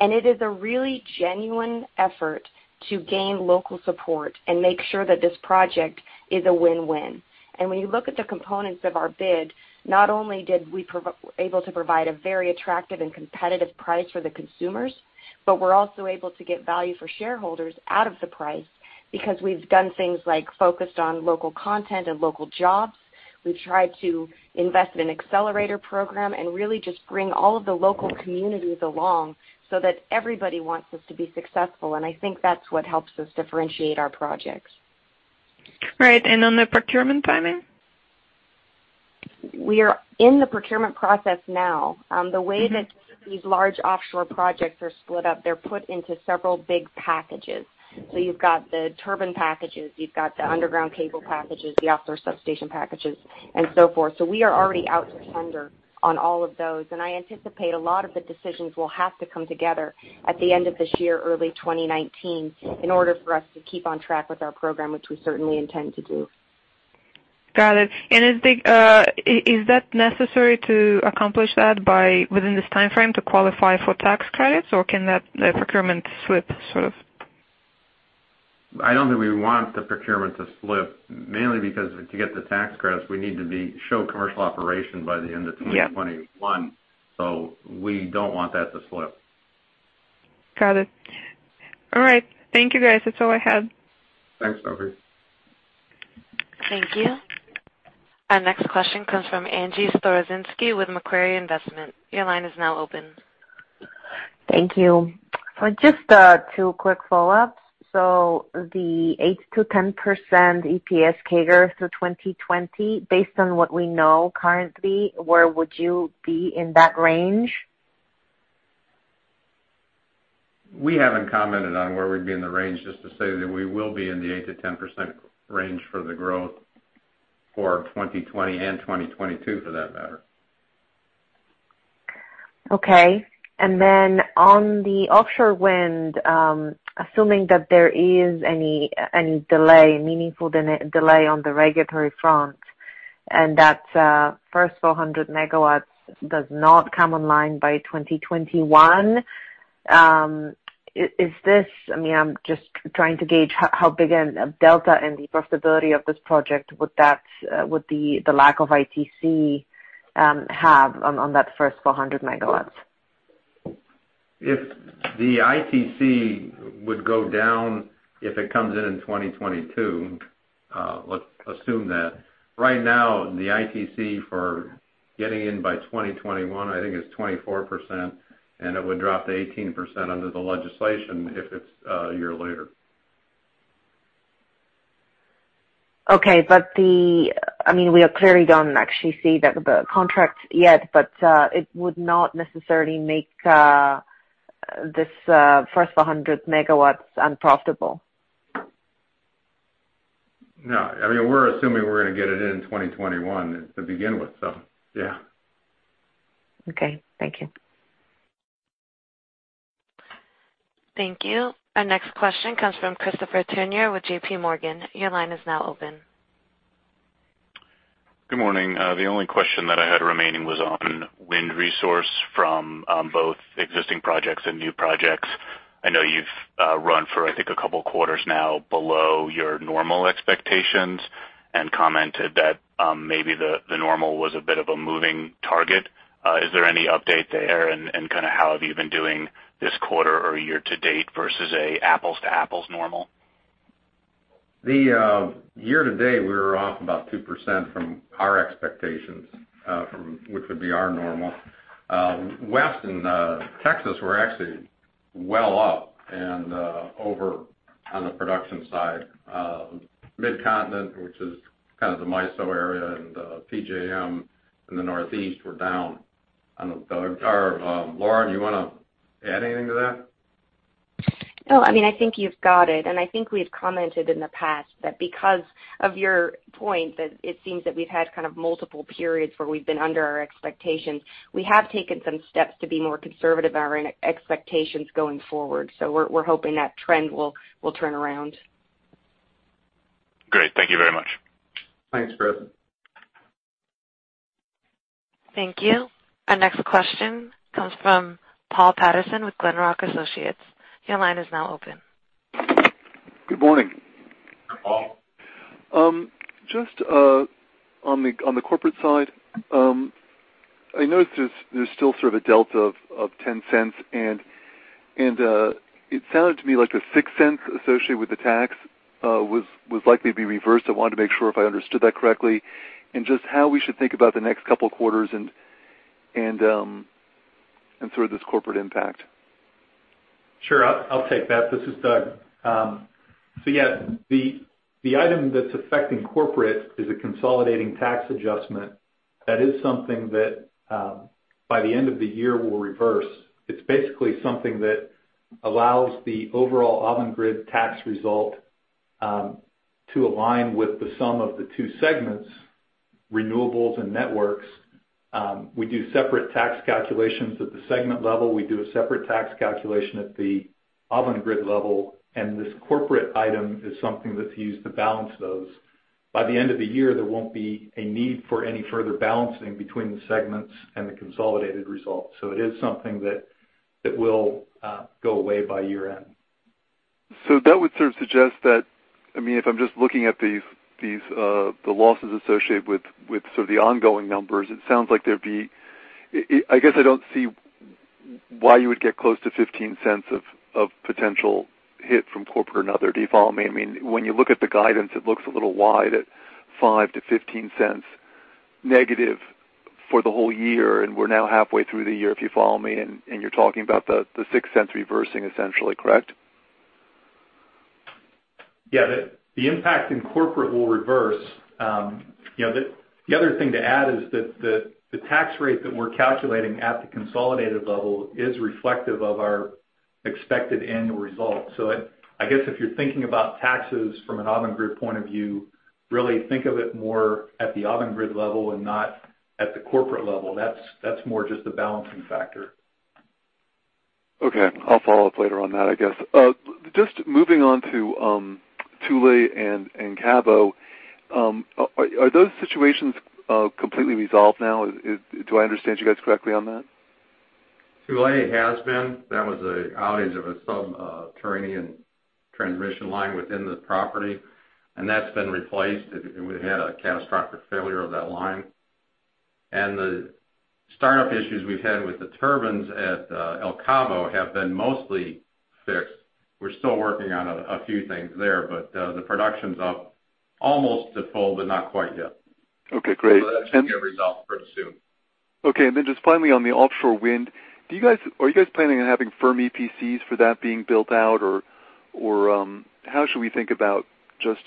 It is a really genuine effort to gain local support and make sure that this project is a win-win. When you look at the components of our bid, not only were we able to provide a very attractive and competitive price for the consumers, but we're also able to get value for shareholders out of the price because we've done things like focused on local content and local jobs. We've tried to invest in an accelerator program and really just bring all of the local communities along so that everybody wants us to be successful. I think that's what helps us differentiate our projects. Right. On the procurement timing? We are in the procurement process now. The way that these large offshore projects are split up, they're put into several big packages. You've got the turbine packages, you've got the underground cable packages, the offshore substation packages, and so forth. We are already out to tender on all of those. I anticipate a lot of the decisions will have to come together at the end of this year, early 2019, in order for us to keep on track with our program, which we certainly intend to do. Got it. Is that necessary to accomplish that within this timeframe to qualify for tax credits, or can that procurement slip? I don't think we want the procurement to slip, mainly because to get the tax credits, we need to show commercial operation by the end of 2021. Yeah. We don't want that to slip. Got it. All right. Thank you, guys. That's all I had. Thanks, Sophie. Thank you. Our next question comes from Angie Storozynski with Macquarie Capital. Your line is now open. Thank you. Just 2 quick follow-ups. The 8%-10% EPS CAGR through 2020, based on what we know currently, where would you be in that range? We haven't commented on where we'd be in the range, just to say that we will be in the 8%-10% range for the growth for 2020 and 2022, for that matter. Okay. On the offshore wind, assuming that there is any meaningful delay on the regulatory front, and that first 400 megawatts does not come online by 2021, I'm just trying to gauge how big a delta in the profitability of this project would the lack of ITC have on that first 400 megawatts? If the ITC would go down if it comes in in 2022, let's assume that. Right now, the ITC for getting in by 2021, I think it's 24%, and it would drop to 18% under the legislation if it's a year later. Okay, we clearly don't actually see the contracts yet, it would not necessarily make this first 400 megawatts unprofitable. No. We're assuming we're going to get it in 2021 to begin with, yeah. Okay. Thank you. Thank you. Our next question comes from Christopher Turnure with JPMorgan. Your line is now open. Good morning. The only question that I had remaining was on wind resource from both existing projects and new projects. I know you've run for, I think a couple of quarters now, below your normal expectations and commented that maybe the normal was a bit of a moving target. Is there any update there, and how have you been doing this quarter or year to date versus an apples to apples normal? The year to date, we were off about 2% from our expectations, which would be our normal. West and Texas were actually well up and over on the production side. Midcontinent, which is kind of the MISO area, and PJM in the Northeast were down I don't know, Doug. Or Laura, you want to add anything to that? No, I think you've got it. I think we've commented in the past that because of your point, that it seems that we've had kind of multiple periods where we've been under our expectations. We have taken some steps to be more conservative in our expectations going forward. We're hoping that trend will turn around. Great. Thank you very much. Thanks, Christopher. Thank you. Our next question comes from Paul Patterson with Glenrock Associates. Your line is now open. Good morning. Paul. Just on the corporate side, I noticed there's still sort of a delta of $0.10. It sounded to me like the $0.06 associated with the tax was likely to be reversed. I wanted to make sure if I understood that correctly and just how we should think about the next couple of quarters and sort of this corporate impact. Sure. I'll take that. This is Doug. Yeah, the item that's affecting corporate is a consolidating tax adjustment. That is something that by the end of the year, will reverse. It's basically something that allows the overall Avangrid tax result to align with the sum of the two segments, renewables and networks. We do separate tax calculations at the segment level. We do a separate tax calculation at the Avangrid level. This corporate item is something that's used to balance those. By the end of the year, there won't be a need for any further balancing between the segments and the consolidated results. It is something that will go away by year-end. That would sort of suggest that, if I'm just looking at the losses associated with sort of the ongoing numbers, it sounds like there'd be I guess I don't see why you would get close to $0.15 of potential hit from corporate and other. Do you follow me? I mean, when you look at the guidance, it looks a little wide at $0.05-$0.15 negative for the whole year, and we're now halfway through the year, if you follow me, and you're talking about the $0.06 reversing essentially, correct? Yeah. The impact in corporate will reverse. The other thing to add is that the tax rate that we're calculating at the consolidated level is reflective of our expected annual result. I guess if you're thinking about taxes from an Avangrid point of view, really think of it more at the Avangrid level and not at the corporate level. That's more just a balancing factor. Okay. I'll follow up later on that, I guess. Just moving on to Tule and Cabo. Are those situations completely resolved now? Do I understand you guys correctly on that? Tule has been. That was an outage of a subterranean transmission line within the property, and that's been replaced. We had a catastrophic failure of that line. The startup issues we've had with the turbines at El Cabo have been mostly fixed. We're still working on a few things there, but the production's up almost to full, but not quite yet. Okay, great. That should be resolved pretty soon. Okay. Then just finally on the offshore wind, are you guys planning on having firm EPCs for that being built out? Or how should we think about just,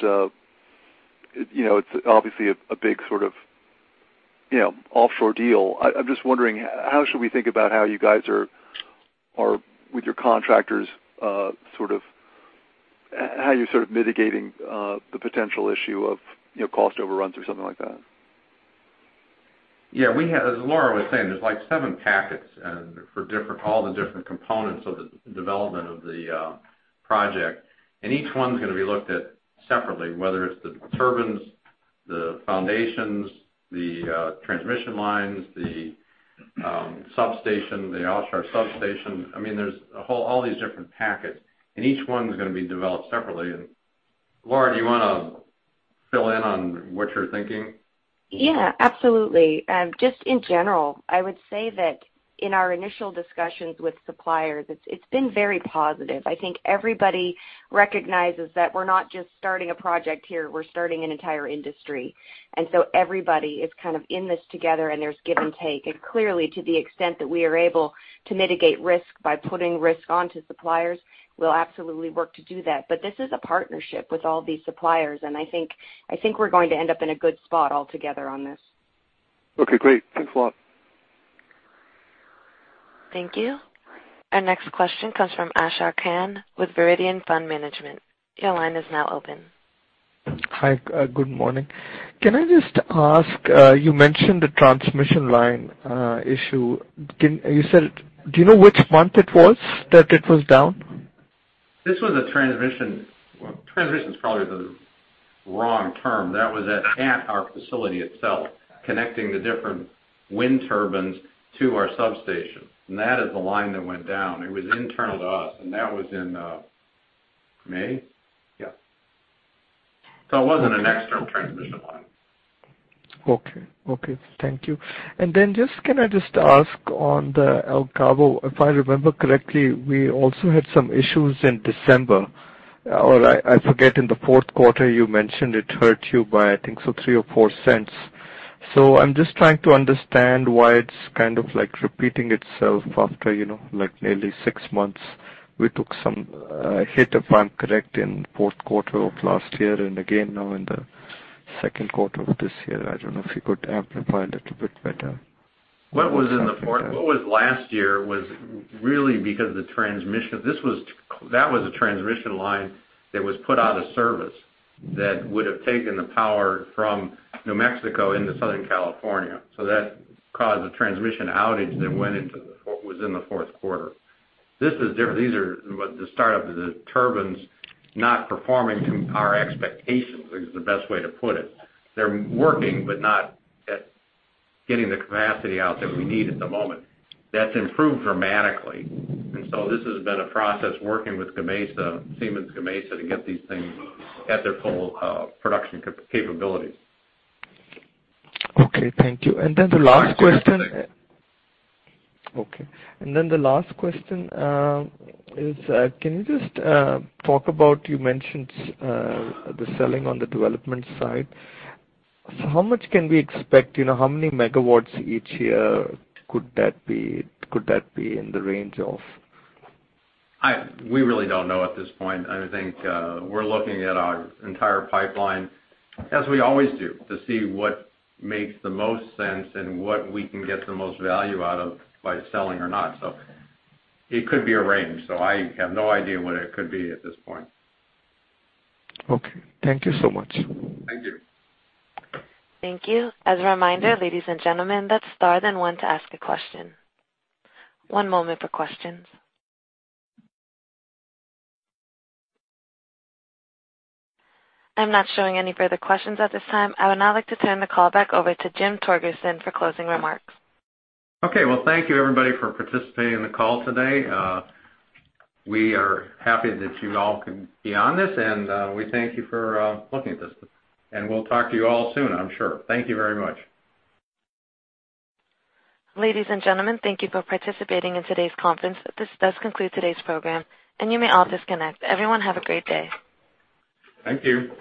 it's obviously a big sort of offshore deal. I'm just wondering how should we think about how you guys are with your contractors, how you're sort of mitigating the potential issue of cost overruns or something like that? Yeah. As Laura was saying, there are seven packets for all the different components of the development of the project. Each one's going to be looked at separately, whether it's the turbines, the foundations, the transmission lines, the substation, the offshore substation. There are all these different packets, and each one's going to be developed separately. Laura, do you want to fill in on what you're thinking? Yeah, absolutely. Just in general, I would say that in our initial discussions with suppliers, it's been very positive. I think everybody recognizes that we're not just starting a project here, we're starting an entire industry. Everybody is kind of in this together, and there's give and take. Clearly, to the extent that we are able to mitigate risk by putting risk onto suppliers, we'll absolutely work to do that. This is a partnership with all of these suppliers, and I think we're going to end up in a good spot altogether on this. Okay, great. Thanks a lot. Thank you. Our next question comes from Ashar Khan with Verition Fund Management. Your line is now open. Hi, good morning. Can I just ask, you mentioned the transmission line issue. Do you know which month it was that it was down? This was a transmission. Well, transmission's probably the wrong term. That was at our facility itself, connecting the different wind turbines to our substation. That is the line that went down. It was internal to us, and that was in May. Yeah. It wasn't an external transmission line. Okay. Thank you. Can I just ask on the El Cabo, if I remember correctly, we also had some issues in December, or I forget in the fourth quarter, you mentioned it hurt you by, I think so $0.03 or $0.04. I'm just trying to understand why it's kind of repeating itself after nearly six months. We took some hit, if I'm correct, in fourth quarter of last year and again now in Second quarter of this year. I don't know if you could amplify a little bit better. What was last year was really because of the transmission. That was a transmission line that was put out of service that would have taken the power from New Mexico into Southern California. That caused a transmission outage that was in the fourth quarter. This is different. These are the startup, the turbines not performing to our expectations, is the best way to put it. They're working, but not at getting the capacity out that we need at the moment. That's improved dramatically. This has been a process working with Siemens Gamesa to get these things at their full production capabilities. Okay, thank you. The last question is, can you just talk about, you mentioned the selling on the development side. How much can we expect, how many megawatts each year could that be in the range of? We really don't know at this point. I think we're looking at our entire pipeline, as we always do, to see what makes the most sense and what we can get the most value out of by selling or not. It could be a range, so I have no idea what it could be at this point. Okay. Thank you so much. Thank you. Thank you. As a reminder, ladies and gentlemen, that's star then one to ask a question. One moment for questions. I'm not showing any further questions at this time. I would now like to turn the call back over to Jim Torgerson for closing remarks. Okay. Well, thank you everybody for participating in the call today. We are happy that you all can be on this, and we thank you for looking at this. We'll talk to you all soon, I'm sure. Thank you very much. Ladies and gentlemen, thank you for participating in today's conference. This does conclude today's program, and you may all disconnect. Everyone have a great day. Thank you.